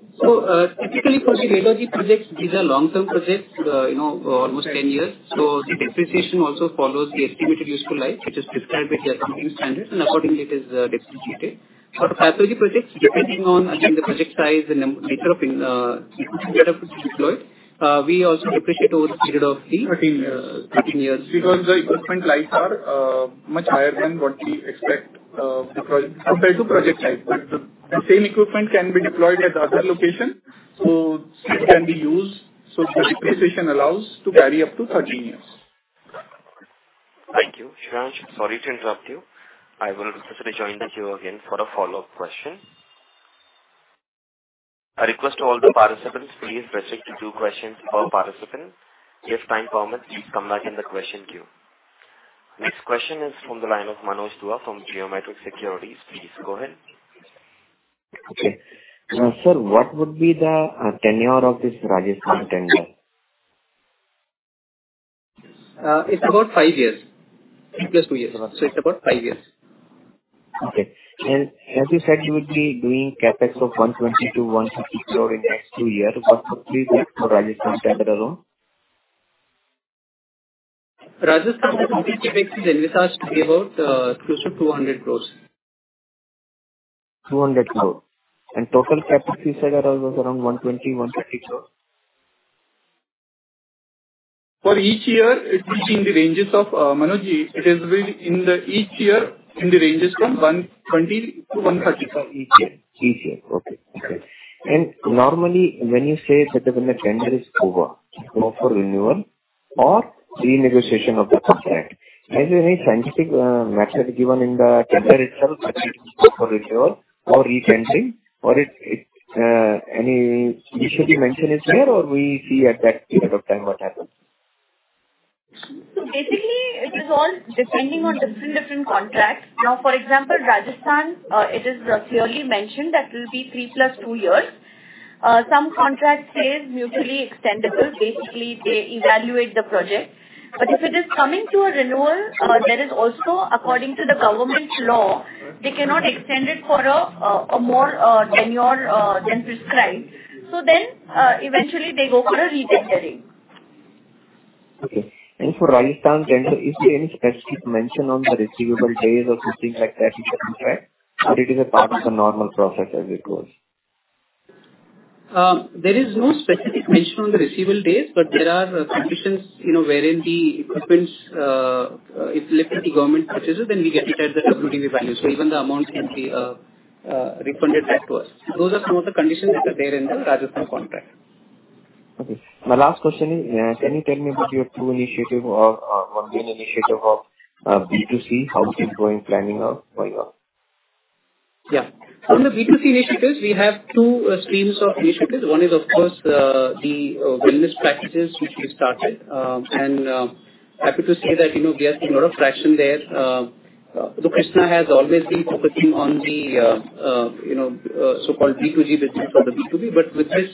Typically for the pathology projects, these are long-term projects, you know, almost 10 years. The depreciation also follows the estimated useful life, which is prescribed by the accounting standards, and accordingly it is depreciated. For pathology projects, depending on, again, the project size and nature of equipment deployed, we also depreciate over a period. 13 years. 13 years. Because the equipment lives are, much higher than what we expect, the project, compared to project type. The same equipment can be deployed at the other location, so it can be used. The depreciation allows to carry up to 13 years. Thank you. Shreyansh, sorry to interrupt you. I will firstly join the queue again for a follow-up question. I request all the participants, please restrict to two questions per participant. If time permits, please come back in the question queue....This question is from the line of Manoj Dua from Geometric Capital. Please go ahead. Okay. sir, what would be the tenure of this Rajasthan tender? it's about five years, +2 years. it's about five years. Okay. As you said, you would be doing CapEx of 120 crore-150 crore in the next two years. What would be that for Rajasthan tender alone? Rajasthan, CapEx is envisaged to be about, close to 200 crore. 200 crore. Total CapEx you said was around 120 crore-130 crore? For each year, it will be in the ranges of, Manoj, in the ranges from 120 crore-130 crore each year. Each year. Okay. Okay. Normally, when you say that when the tender is over, go for renewal or renegotiation of the contract, is there any scientific, method given in the tender itself for renewal or re-tendering, or it, it, any initially mentioned it here, or we see at that period of time what happens? Basically, it is all depending on different, different contracts. For example, Rajasthan, it is clearly mentioned that it will be 3 plus 2 years. Some contracts say mutually extendable. Basically, they evaluate the project. If it is coming to a renewal, there is also according to the government's law, they cannot extend it for a more tenure than prescribed. Then, eventually they go for a re-tendering. Okay. For Rajasthan tender, is there any specific mention on the receivable days or something like that in the contract? It is a part of the normal process as it goes? There is no specific mention on the receivable days. There are conditions, you know, wherein the equipments, if let the government purchases, then we get it at the WDV value. Even the amount can be refunded back to us. Those are some of the conditions that are there in the Rajasthan contract. Okay. My last question is, can you tell me about your two initiative or, one main initiative of, B2C? How is it going, planning out, going on? Yeah. On the B2C initiatives, we have two streams of initiatives. One is, of course, the wellness practices, which we started. And, happy to say that, you know, we are seeing a lot of traction there. Krsnaa has always been focusing on the, you know, so-called B2G business or the B2B, but with this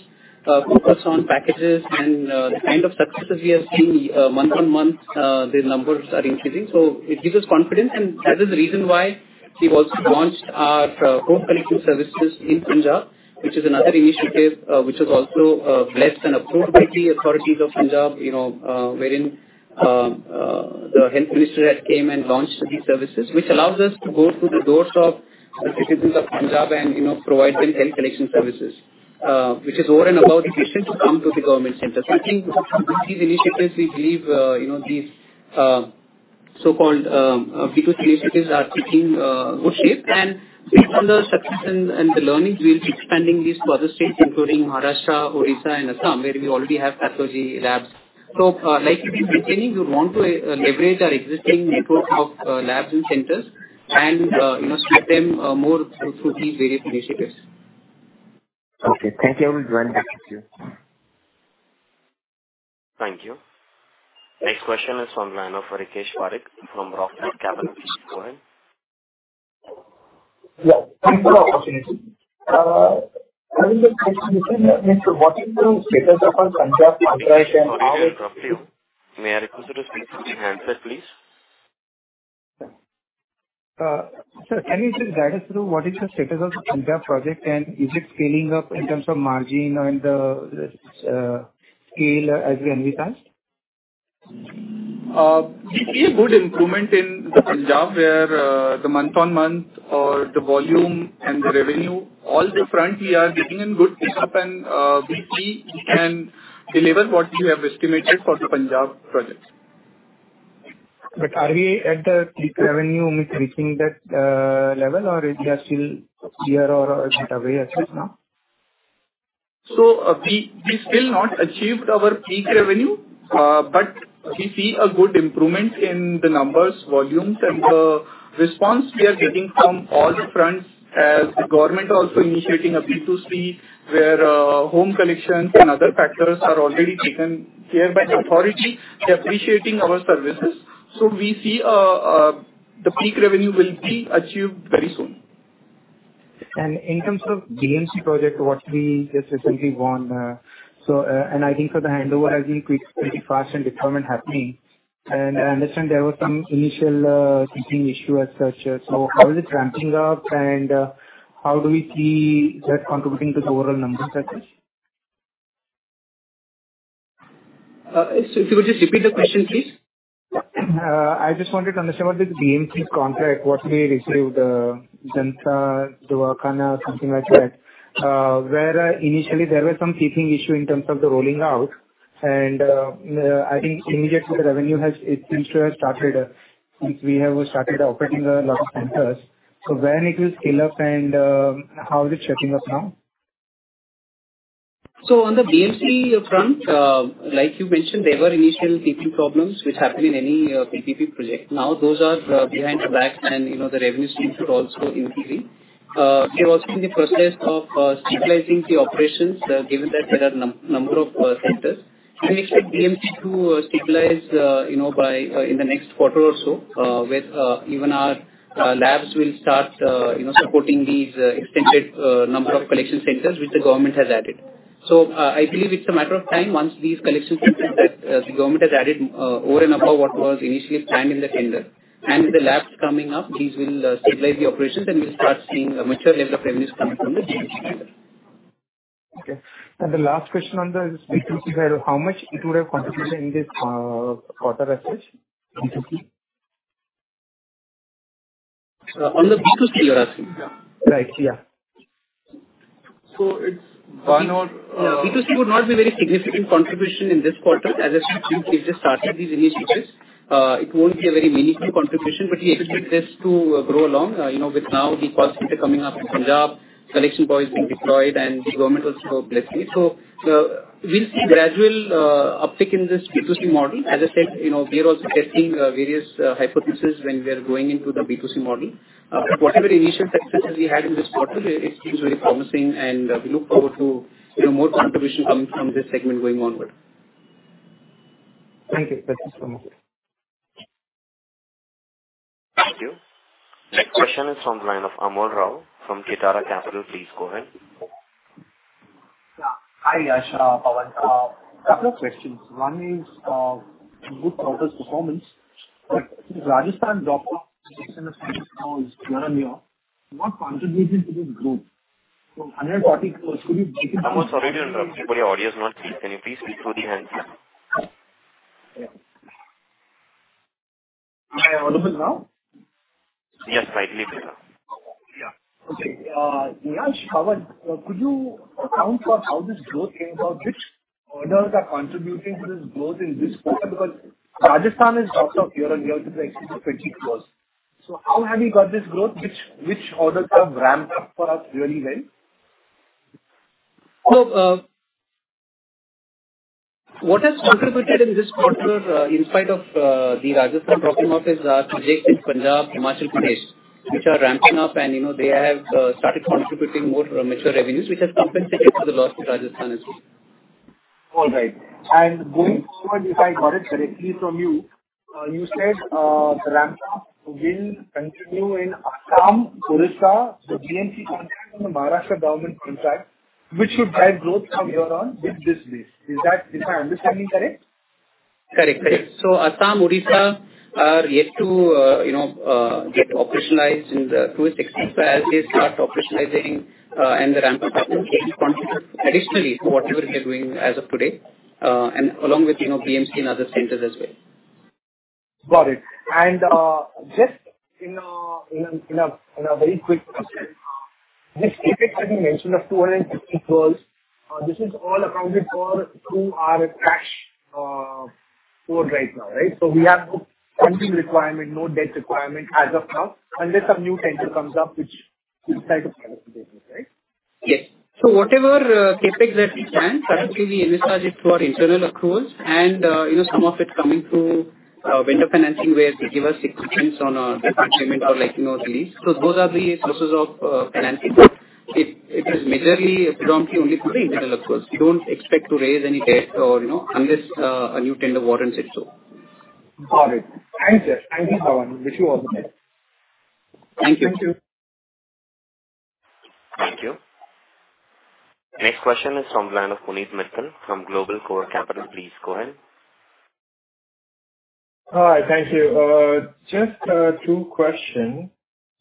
focus on packages and the kind of successes we have seen, month on month, the numbers are increasing. It gives us confidence, and that is the reason why we also launched our home collection services in Punjab, which is another initiative, which is also blessed and approved by the authorities of Punjab, you know, wherein the health minister had came and launched these services, which allows us to go through the doors of the citizens of Punjab and, you know, provide them health collection services, which is over and above the patients who come to the government center. I think with these initiatives, we believe, you know, these so-called B2C initiatives are taking good shape. With other success and, and the learnings, we'll be expanding this to other states, including Maharashtra, Odisha, and Assam, where we already have pathology labs. Like in the beginning, we want to leverage our existing network of labs and centers and, you know, spread them more through, through these various initiatives. Okay, thank you. I will join back with you. Thank you. Next question is from Rakesh Varik from Rockstud Capital. Please, go ahead. Yeah, thanks for the opportunity. I have a question. What is the status of Punjab project and- Sorry to interrupt you. May I request you to speak from the handset, please? Sir, can you just guide us through what is the status of the Punjab project, and is it scaling up in terms of margin and, the, scale as we envisaged? We see a good improvement in the Punjab, where, the month-on-month or the volume and the revenue, all the front we are getting in good pickup and, we see we can deliver what we have estimated for the Punjab project. Are we at the peak revenue with reaching that level, or it is still here or a bit away as of now? We, we still not achieved our peak revenue, but we see a good improvement in the numbers, volumes, and the response we are getting from all the fronts, as the government also initiating a B2C, where home collections and other factors are already taken care by the authority. They're appreciating our services, so we see, the peak revenue will be achieved very soon. In terms of BMC project, what we just recently won, so, and I think for the handover has been quick, pretty fast and determined happening. I understand there were some initial teething issue as such. How is it ramping up, and how do we see that contributing to the overall numbers as such? If you would just repeat the question, please. I just wanted to understand about the BMC contract, what we received, Janata Darbar, something like that, where, initially there were some teething issue in terms of the rolling out. I think immediately the revenue has, it seems to have started, since we have started operating a lot of centers. When it will scale up, and, how is it shaping up now? On the BMC front, like you mentioned, there were initial teething problems which happen in any PPP project. Those are behind the back and, you know, the revenue seems to also increasing. We are also in the process of stabilizing the operations, given that there are number of centers. We expect BMC to stabilize, you know, by in the next quarter or so, with even our labs will start, you know, supporting these extended number of collection centers which the government has added. I believe it's a matter of time. Once these collection centers that the government has added, over and above what was initially planned in the tender, and with the labs coming up, these will stabilize the operations, and we'll start seeing a mature level of revenues coming from the BMC tender. Okay. The last question on the B2C, how much it would have contributed in this, quarter as such, B2C? On the B2C, you're asking? Yeah. Right. Yeah. It's one or. B2C would not be a very significant contribution in this quarter. As I said, we've just started these initiatives. It won't be a very meaningful contribution, but we expect this to grow along, you know, with now the policies are coming up in Punjab, collection boys being deployed, and the government also blessed it. We'll see gradual uptick in this B2C model. As I said, you know, we are also testing various hypothesis when we are going into the B2C model. Whatever initial successes we had in this quarter, it seems very promising, and we look forward to, you know, more contribution coming from this segment going onward. Thank you. That is one more. Thank you. Next question is from the line of Amar Rao from Kitara Capital. Please go ahead. Yeah. Hi, Ash, Pawan. Couple of questions. One is, good quarter's performance. Rajasthan drop-off now is year-on-year, what contributed to this group? 140 crore would be- I'm sorry to interrupt you, but your audio is not clear. Can you please speak through the hands, yeah? Am I audible now? Yes, slightly clearer now. Yeah. Okay, Yash, Pawan, could you account for how this growth came about? Which orders are contributing to this growth in this quarter? Because Rajasthan is drop-off year-on-year to the extent of 20 crore. How have you got this growth? Which, which orders have ramped up for us really well? What has contributed in this quarter, in spite of the Rajasthan dropping off is our projects in Punjab, Himachal Pradesh, which are ramping up, and, you know, they have started contributing more to our mixture revenues, which has compensated for the loss to Rajasthan as well. All right. Going forward, if I got it correctly from you, you said, the ramp up will continue in Assam, Odisha, the BMC contract and the Maharashtra government contract, which should drive growth from here on with this base. Is my understanding correct? Correct, correct. Assam, Odisha, are yet to, you know, get operationalized in totality. As they start operationalizing, and the ramp up happens, contribute additionally to whatever they're doing as of today, and along with, you know, BMC and other centers as way. Got it. Just in a very quick question, this CapEx that you mentioned of 250 crore, this is all accounted for through our cash flow right now, right? We have no funding requirement, no debt requirement as of now, unless some new tender comes up, which we decide to participate, right? Yes. Whatever CapEx that we plan, typically we invest it through our internal accruals and, you know, some of it's coming through vendor financing, where they give us equipment on a part payment or leasing or lease. Those are the sources of financing. It is majorly predominantly only through the internal accruals. We don't expect to raise any debt or, you know, unless a new tender warrants it so. Got it. Thanks, Yash. Thank you, Pawan. Wish you all the best. Thank you. Thank you. Thank you. Next question is from the line of Punit Mittal from Global Core Capital. Please go ahead. Hi, thank you. Just two questions.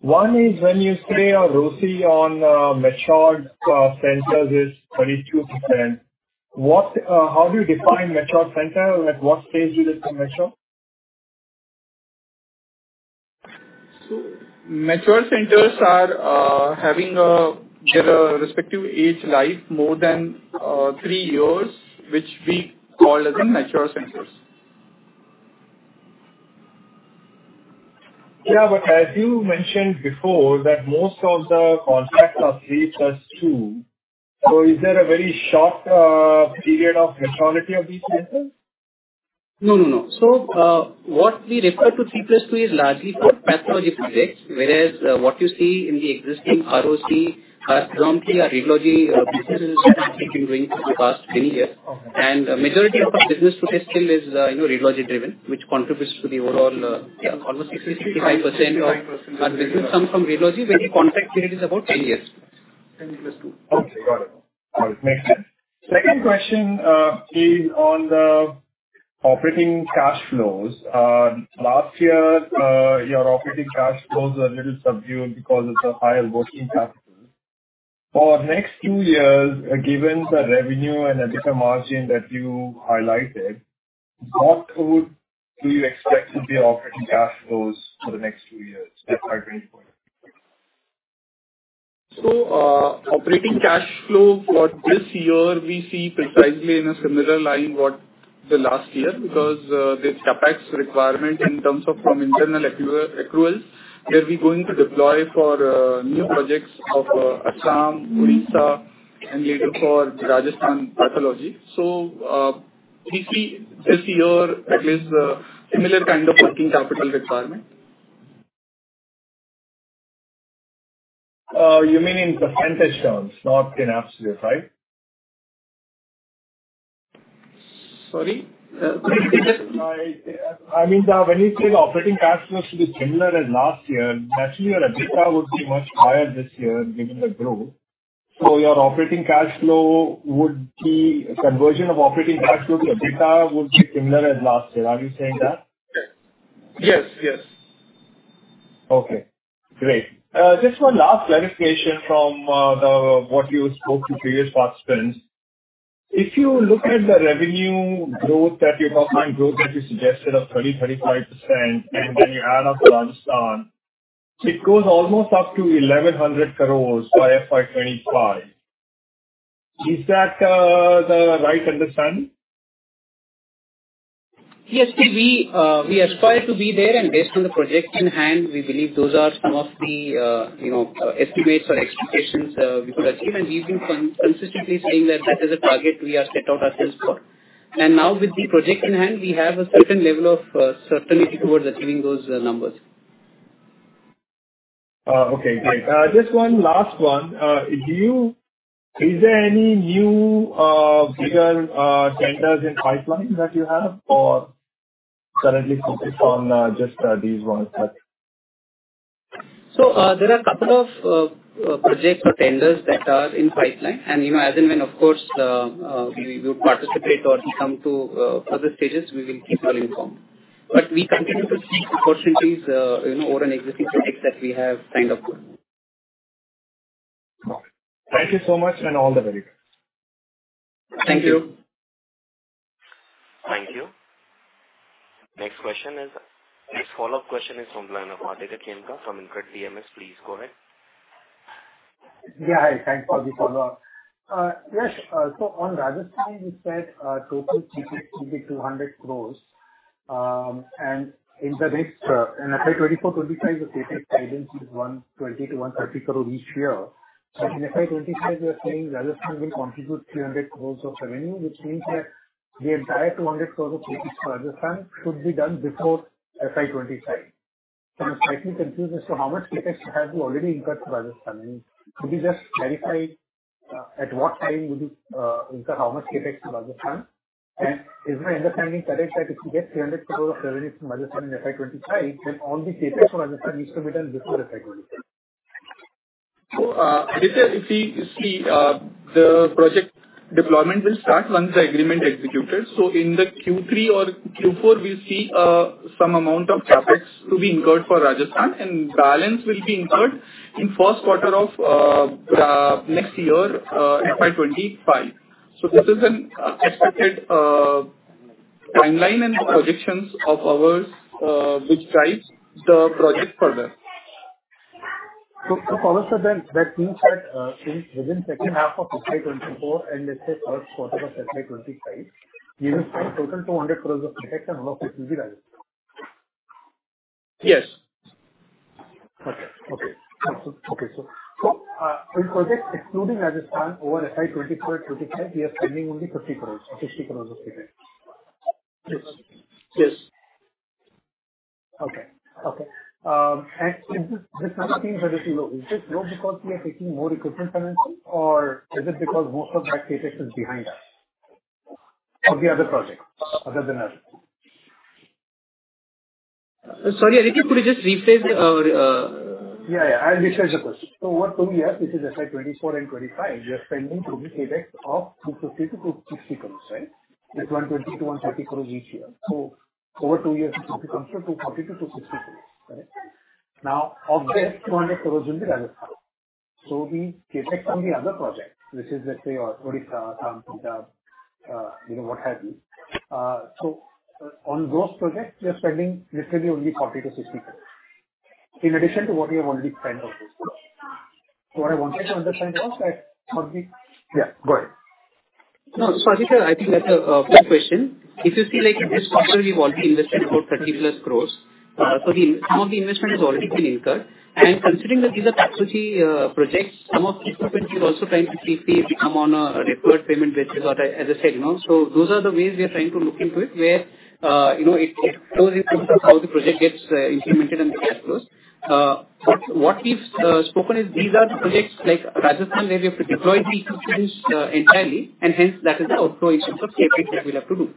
One is, when you say our ROCE on mature centers is 22%, what? How do you define mature center? At what stage it is considered mature? Mature centers are, having their respective age life more than, three years, which we call as a mature centers. Yeah, as you mentioned before, that most of the contracts are 3 + 2. Is there a very short period of maturity of these centers? No, no, no. What we refer to 3 + 2 is largely for pathology projects, whereas, what you see in the existing ROC are predominantly our radiology businesses which have been going for the past many years. Okay. Majority of our business today still is, you know, radiology driven, which contributes to the overall almost 65%. 65%. -of our business come from radiology, where the contract period is about 10 years. 10 plus 2. Okay, got it. Got it. Makes sense. Second question is on the operating cash flows. Last year, your operating cash flows were a little subdued because of the higher working capital. For next two years, given the revenue and the EBITDA margin that you highlighted, what would do you expect to be operating cash flows for the next two years at our grade point? Operating cash flow for this year, we see precisely in a similar line what the last year, because the CapEx requirement in terms of from internal accruals, where we're going to deploy for new projects of Assam, Odisha, and later for Rajasthan pathology. We see is your at least similar kind of working capital requirement? You mean in the percentage terms, not in absolute, right? Sorry, I, I mean, when you say the operating cash flow should be similar as last year, naturally, your EBITDA would be much higher this year given the growth. Your operating cash flow conversion of operating cash flow to EBITDA would be similar as last year. Are you saying that? Yes. Yes. Okay, great. Just one last clarification from, the, what you spoke to previous participants. If you look at the revenue growth that you have and growth that you suggested of 30%-35%, and then you add up the Rajasthan, it goes almost up to 1,100 crore by FY25. Is that, the right understanding? Yes, we, we aspire to be there, and based on the project in hand, we believe those are some of the, you know, estimates or expectations, we could achieve. We've been consistently saying that that is a target we have set out ourselves for. Now with the project in hand, we have a certain level of, certainty towards achieving those, numbers. Okay, great. Just one last one. Is there any new, bigger, centers in pipeline that you have or currently focused on, just these ones? There are a couple of projects or tenders that are in pipeline. You know, as and when, of course, we will participate or we come to other stages, we will keep all informed. We continue to seek opportunities, you know, over an existing projects that we have signed up with. Thank you so much, and all the very best. Thank you. Thank you. Next question. Next follow-up question is from Rinan from InCred Capital. Please go ahead. Yeah, hi. Thanks for the follow-up. Yes, so on Rajasthan, you said, total CapEx will be 200 crore. And in the next, in FY 2024, 2025, the CapEx guidance is 120 crore-130 crore each year. So in FY 2025, you're saying Rajasthan will contribute 300 crore of revenue, which means that the entire 200 crore rupees of CapEx for Rajasthan should be done before FY 2025. So I'm slightly confused as to how much CapEx have you already incurred to Rajasthan? I mean, could you just verify, at what time will you incur how much CapEx to Rajasthan? Is my understanding correct, that if you get 300 crore of revenue from Rajasthan in FY 2025, then all the CapEx for Rajasthan needs to be done before FY 2025? If you, if we, the project deployment will start once the agreement executed. In the Q3 or Q4, we see some amount of CapEx to be incurred for Rajasthan, and balance will be incurred in first quarter of next year, FY25. This is an expected timeline and projections of ours, which drives the project further. Follow up. That means that, within second half of FY24, and let's say first quarter of FY25, you will find total INR 200 crore of CapEx and all of it will be Rajasthan? Yes. Okay. Okay. Okay, so, in project excluding Rajasthan over FY 2024 and 2025, we are spending only INR 50 crore, INR 60 crore of CapEx? Yes. Yes. Okay. Okay. This, this number seems a little low. Is this low because we are taking more equipment financing, or is it because most of that CapEx is behind us of the other projects other than Rajasthan? Sorry, could you just repeat the? Yeah, yeah, I'll restate the question. So over two years, this is FY24 and FY25, we are spending total CapEx of 250-260 crore, right? That's 120-130 crore each year. So over two years, it comes to 240-260 crore, right? Now, of this, 200 crore will be Rajasthan. So the CapEx from the other projects, which is, let's say, your Odisha, Tamil, you know, what have you. So on those projects, we are spending literally only 40-60 crore, in addition to what we have already spent on those projects. So what I wanted to understand was that for the... Yeah, go ahead. No, sorry, sir, I think that's a, a good question. If you see, like, in this quarter, we've already invested about 30+ crore. Some of the investment has already been incurred. Considering that these are turnkey projects, some of the equipment we're also trying to keep it come on a deferred payment basis or as, as I said, you know. Those are the ways we are trying to look into it, where, you know, it, it shows how the project gets implemented and the CapEx. What, what we've spoken is these are the projects like Rajasthan, where we have deployed the equipment entirely, and hence that is the outflow in terms of CapEx that we'll have to do.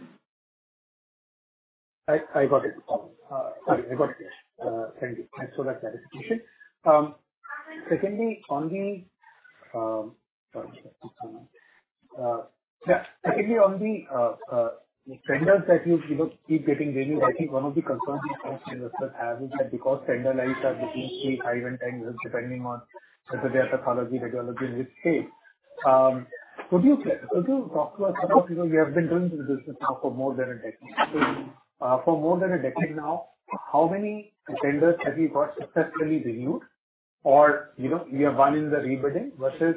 I got it. Sorry, I got it. Thank you. Thanks for that clarification. Secondly, on the tenders that you, you know, keep getting renewed, I think one of the concerns investors have is that because tender lives are between 3, 5, and 10 years, depending on whether they are pathology, radiology, which stage. Could you talk to us about, you know, you have been doing this business now for more than a decade. For more than a decade now, how many tenders have you got successfully renewed, or, you know, you have won in the rebidding versus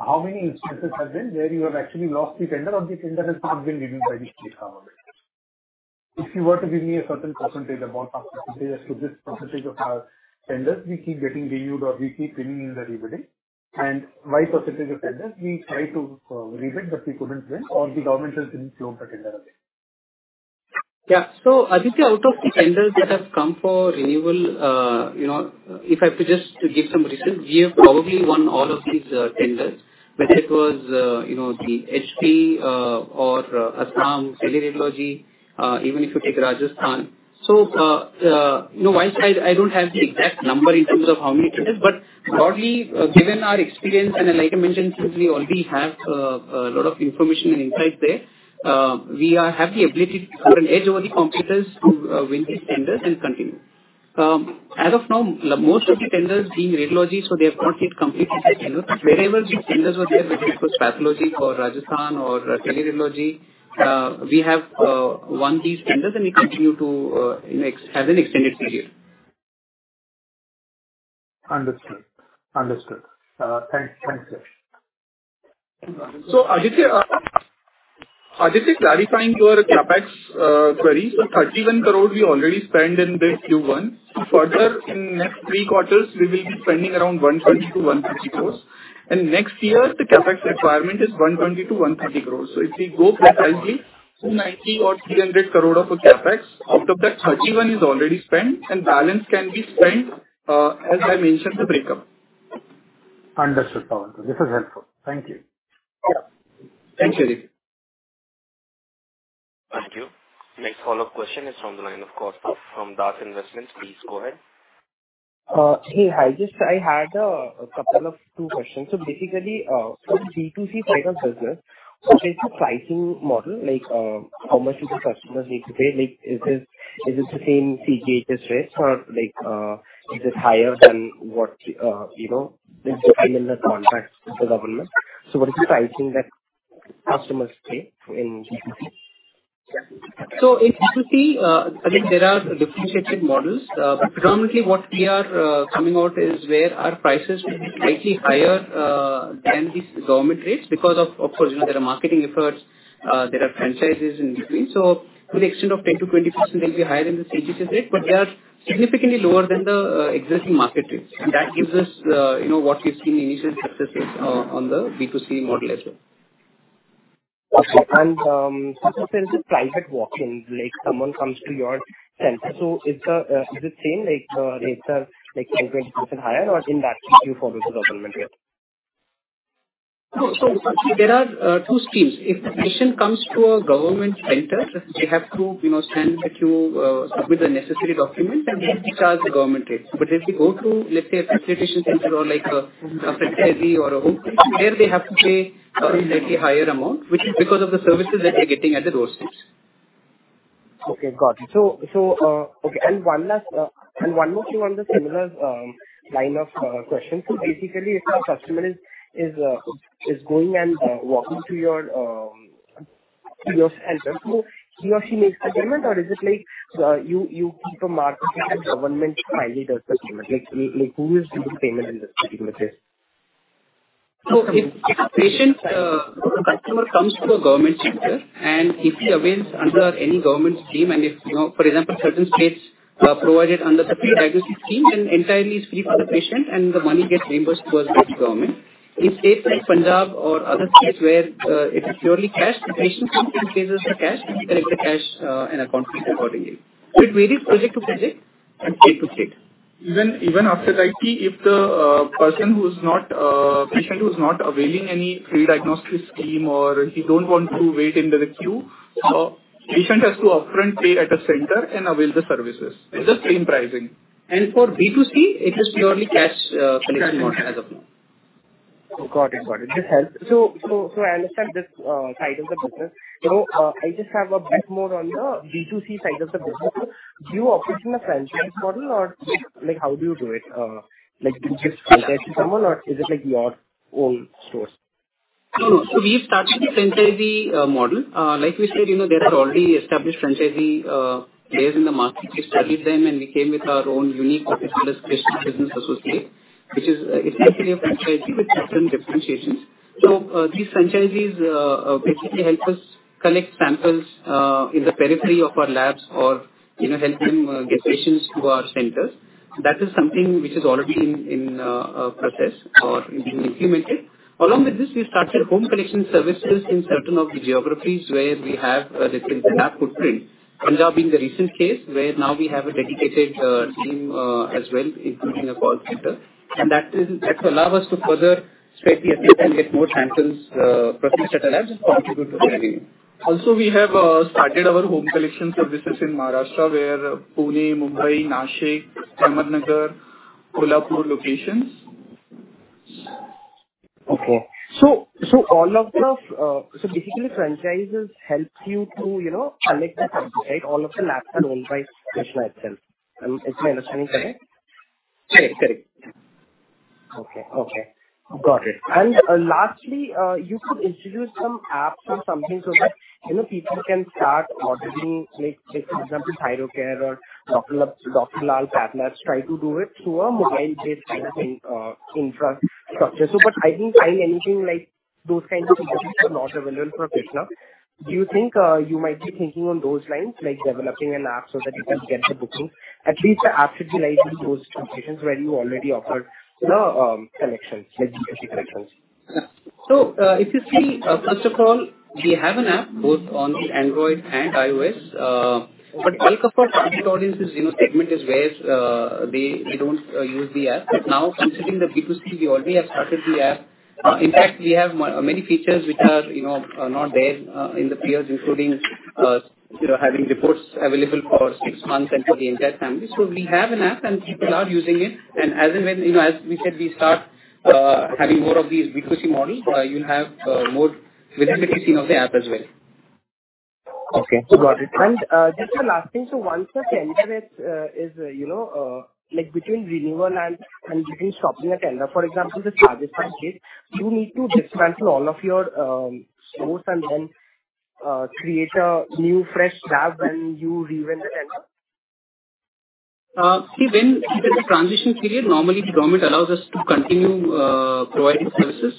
how many instances have been where you have actually lost the tender or the tender has not been renewed by the customer? If you were to give me a certain percentage, about a percentage, as to this percentage of our tenders, we keep getting renewed or we keep winning in the re-bidding. My percentage of tenders, we try to re-bid, but we couldn't win, or the government has been closed the tender again. Yeah. Aditya, out of the tenders that have come for renewal, you know, if I could just to give some reasons, we have probably won all of these tenders, whether it was, you know, the HP, or Assam, Teleradiology, even if you take Rajasthan. You know, while I don't have the exact number in terms of how many it is, but broadly, given our experience, and then like I mentioned, since we already have a lot of information and insights there, we are-- have the ability or an edge over the competitors to win these tenders and continue. As of now, most of the tenders being radiology, so they have not yet completed the tender. Wherever these tenders were there, whether it was pathology for Rajasthan or Teleradiology, we have won these tenders and we continue to have an extended period. Understood. Understood. Thanks, sir. Aditya, Aditya, clarifying your CapEx query. 31 crore we already spent in this Q1. Further, in next 3 quarters, we will be spending around 120-150 crore, and next year, the CapEx requirement is 120-130 crore. If we go precisely, 290 or 300 crore of the CapEx, out of that, 31 is already spent, and balance can be spent as I mentioned the breakup. Understood, Pawan. This is helpful. Thank you. Yeah. Thank you, Aditya. Thank you. Next follow-up question is from the line of Kaustubh from DAS Investments. Please go ahead. Hey, hi, just I had a couple of two questions. Basically, from B2C side of business, what is the pricing model like, how much do the customers need to pay? Like, is it, is it the same CGHS rates or like, is it higher than what, you know, is defined in the contract with the government? What is the pricing that customers pay in B2C? In B2C, I think there are differentiated models. Predominantly, what we are coming out is where our prices will be slightly higher than the government rates because of, of course, you know, there are marketing efforts, there are franchises in between. To the extent of 10%-20%, they'll be higher than the CGHS rate, but they are significantly lower than the existing market rates. That gives us, you know, what we've seen initial successes on the B2C model as well. Okay. Sometimes there is a private walk-in, like, someone comes to your center. Is the, is it same like, rates are, like, 10%, 20% higher, or in that case you follow the government rate? No. There are two schemes. If the patient comes to a government center, they have to, you know, stand in the queue, submit the necessary documents, and we charge the government rates. If we go to, let's say, a facilitation center or like a, a franchisee or a home, there they have to pay a slightly higher amount, which is because of the services that they're getting at the doorsteps. Okay, got it. Okay, and one last and one more thing on the similar line of question. Basically, if the customer is going and walking to your to your center, so he or she makes the payment, or is it like, you, you keep a margin and government finally does the payment? Like, who is doing the payment in this particular case? If, if a patient, or a customer comes to a government center and if he avails under any government scheme, and if, you know, for example, certain states, provided under the free diagnostic scheme, then entirely it's free for the patient, and the money gets reimbursed to us by the government. In states like Punjab or other states where, it is purely cash, the patient comes and pays us the cash, and there is a cash, and account fee accordingly. It varies project to project and state to state. Even, even after IP, if the person who's not patient who's not availing any free diagnostic scheme, or he don't want to wait in the queue, patient has to upfront pay at the center and avail the services. It's the same pricing. For B2C, it is purely cash, collection model as of now. Got it. Got it. This helps. I understand this side of the business. You know, I just have a bit more on the B2C side of the business. Do you operate in a franchise model or, like, how do you do it? Like, do you just franchise to someone, or is it, like, your own stores? No, no. We started the franchisee model. Like we said, you know, there are already established franchisee players in the market. We studied them, we came with our own unique model as Krsnaa Business Associate, which is essentially a franchisee with certain differentiations. These franchisees basically help us collect samples in the periphery of our labs or, you know, help them get patients to our centers. That is something which is already in, in process or it been implemented. Along with this, we started home collection services in certain of the geographies where we have a different lab footprint. Punjab being the recent case, where now we have a dedicated team as well, including a call center. That allow us to further spread the appeal and get more samples, processed at our labs and contribute to the revenue. We have started our home collection services in Maharashtra, where Pune, Mumbai, Nashik, Ahmednagar, Kolhapur locations. Okay. All of the... Basically, franchises helps you to, you know, collect the samples, right? All of the labs are owned by Krsnaa itself. Is my understanding correct? Correct. Correct. Okay. Okay, got it. Lastly, you could introduce some apps or something so that, you know, people can start ordering, like, take for example, Thyrocare or Dr. Lal PathLabs, try to do it through a mobile-based kind of in, infrastructure. But I didn't find anything like that.... those kinds of solutions are not available for Krsnaa. Do you think you might be thinking on those lines, like developing an app so that you can get the booking? At least the app should be like those locations where you already offer, you know, connections, like GPC connections. If you see, first of all, we have an app both on the Android and iOS. Bulk of our target audience is, you know, segment is where they, they don't use the app. Now, considering the B2C, we already have started the app. In fact, we have many features which are, you know, are not there in the peers, including, you know, having reports available for six months and for the entire family. We have an app, and people are using it, and as and when, you know, as we said, we start having more of these B2C models, you'll have more visibility of the app as well. Okay, got it. Just the last thing, so once a tender is, is, you know, like between renewal and, and between stopping a tender, for example, the target market, you need to dismantle all of your stores and then, create a new fresh lab when you re-win the tender? See, when there's a transition period, normally the government allows us to continue providing services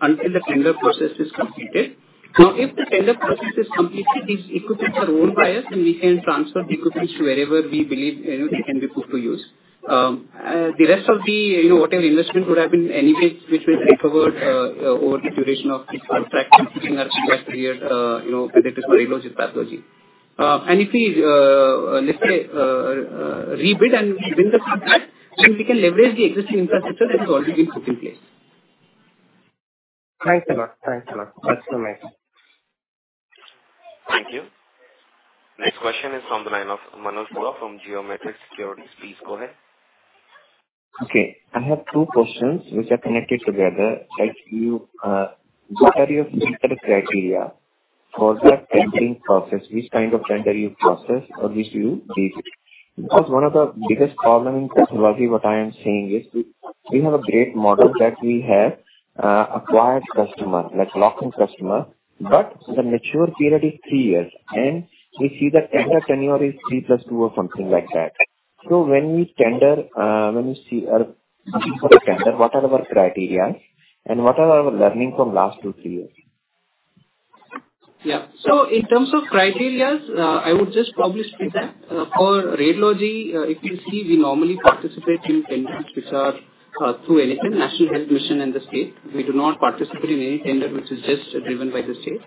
until the tender process is completed. If the tender process is completed, these equipments are owned by us, and we can transfer the equipments to wherever we believe, you know, they can be put to use. The rest of the, you know, whatever investment would have been anyway, which was recovered over the duration of this contract period, you know, with the Krsnaa Radiology pathology. If we, let's say, rebid and win the contract, then we can leverage the existing infrastructure that has already been put in place. Thanks a lot. Thanks a lot. That's amazing. Thank you. Next question is from the line of Manoj Kumar from Geometric Securities. Please go ahead. Okay, I have two questions which are connected together. Like you, what are your selection criteria for the tendering process? Which kind of tender you process or which you bid? Because one of the biggest problem in pathology, what I am saying is, we, we have a great model that we have acquired customer, like, locking customer, but the mature period is three years, and we see that tender tenure is 3 + 2 or something like that. When we tender, when we see for a tender, what are our criterias, and what are our learnings from last two, three years? Yeah. In terms of criterias, I would just probably speak that for radiology, if you see, we normally participate in tenders which are through NHM, National Health Mission in the state. We do not participate in any tender which is just driven by the state.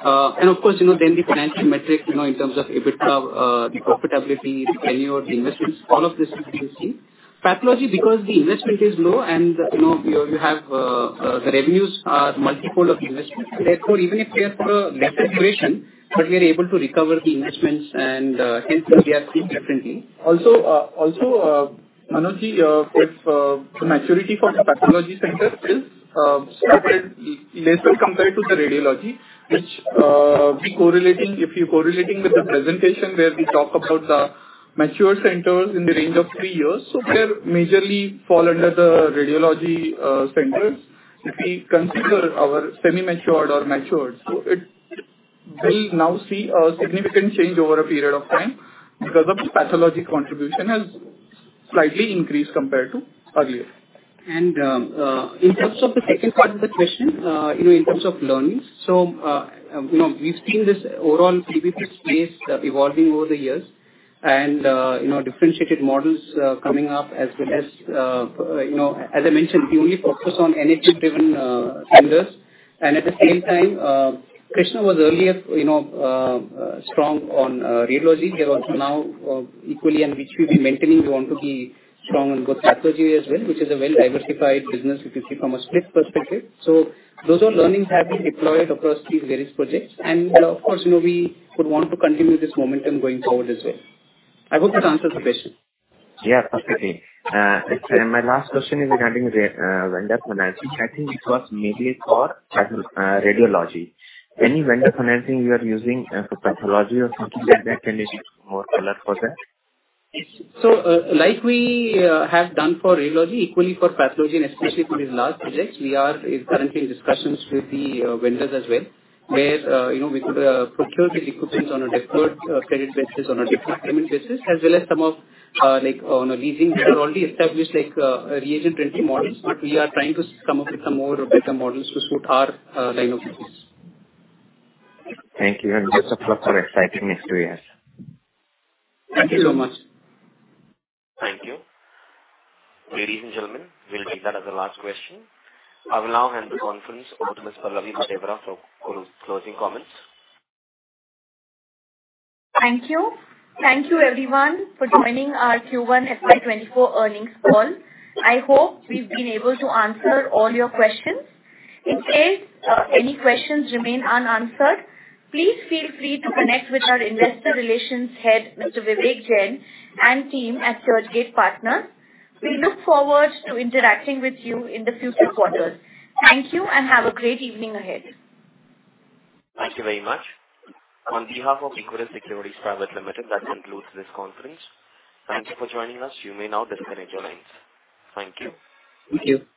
Of course, you know, then the financial metrics, you know, in terms of EBITDA, the profitability, the tenure, the investments, all of this you can see. Pathology, because the investment is low and, you know, you, you have the revenues are multiple of investment. Therefore, even if we are for a lesser duration, but we are able to recover the investments and hence we are seeing differently. Manoj, of course, the maturity for the pathology center is started lesser compared to the radiology, which if you're correlating with the presentation, where we talk about the mature centers in the range of 3 years, they're majorly fall under the radiology centers. If we consider our semi-matured or matured. We now see a significant change over a period of time because of the pathology contribution has slightly increased compared to earlier. In terms of the second part of the question, you know, in terms of learnings, you know, we've seen this overall PPP space evolving over the years and, you know, differentiated models coming up as well as, you know, as I mentioned, we only focus on NHM-driven tenders. At the same time, Krsnaa was earlier, you know, strong on radiology. They are also now equally, and which we'll be maintaining, we want to be strong on good pathology as well, which is a well-diversified business if you see from a split perspective. Those are learnings have been deployed across these various projects, and of course, you know, we would want to continue this momentum going forward as well. I hope that answers the question. Yeah, perfectly. My last question is regarding vendor financing. I think it was mainly for path, radiology. Any vendor financing you are using for pathology or something like that, can you more color for that? Like we have done for radiology, equally for pathology, and especially for these large projects, we are currently in discussions with the vendors as well, where, you know, we could procure the equipments on a deferred credit basis, on a different payment basis, as well as some of, like, on a leasing. We have already established, like, a lease rental models, but we are trying to come up with some more better models to suit our line of business. Thank you. This is a lot for exciting next two years. Thank you so much. Thank you. Ladies and gentlemen, we'll take that as the last question. I will now hand the conference over to Ms. Pallavi Bhatevara for closing comments. Thank you. Thank you everyone for joining our Q1 FY24 earnings call. I hope we've been able to answer all your questions. If there's any questions remain unanswered, please feel free to connect with our Investor Relations head, Mr. Vivek Jain, and team at Churchgate Partners. We look forward to interacting with you in the future quarters. Thank you, and have a great evening ahead. Thank you very much. On behalf of Equirus Securities Private Limited, that concludes this conference. Thank you for joining us. You may now disconnect your lines. Thank you. Thank you.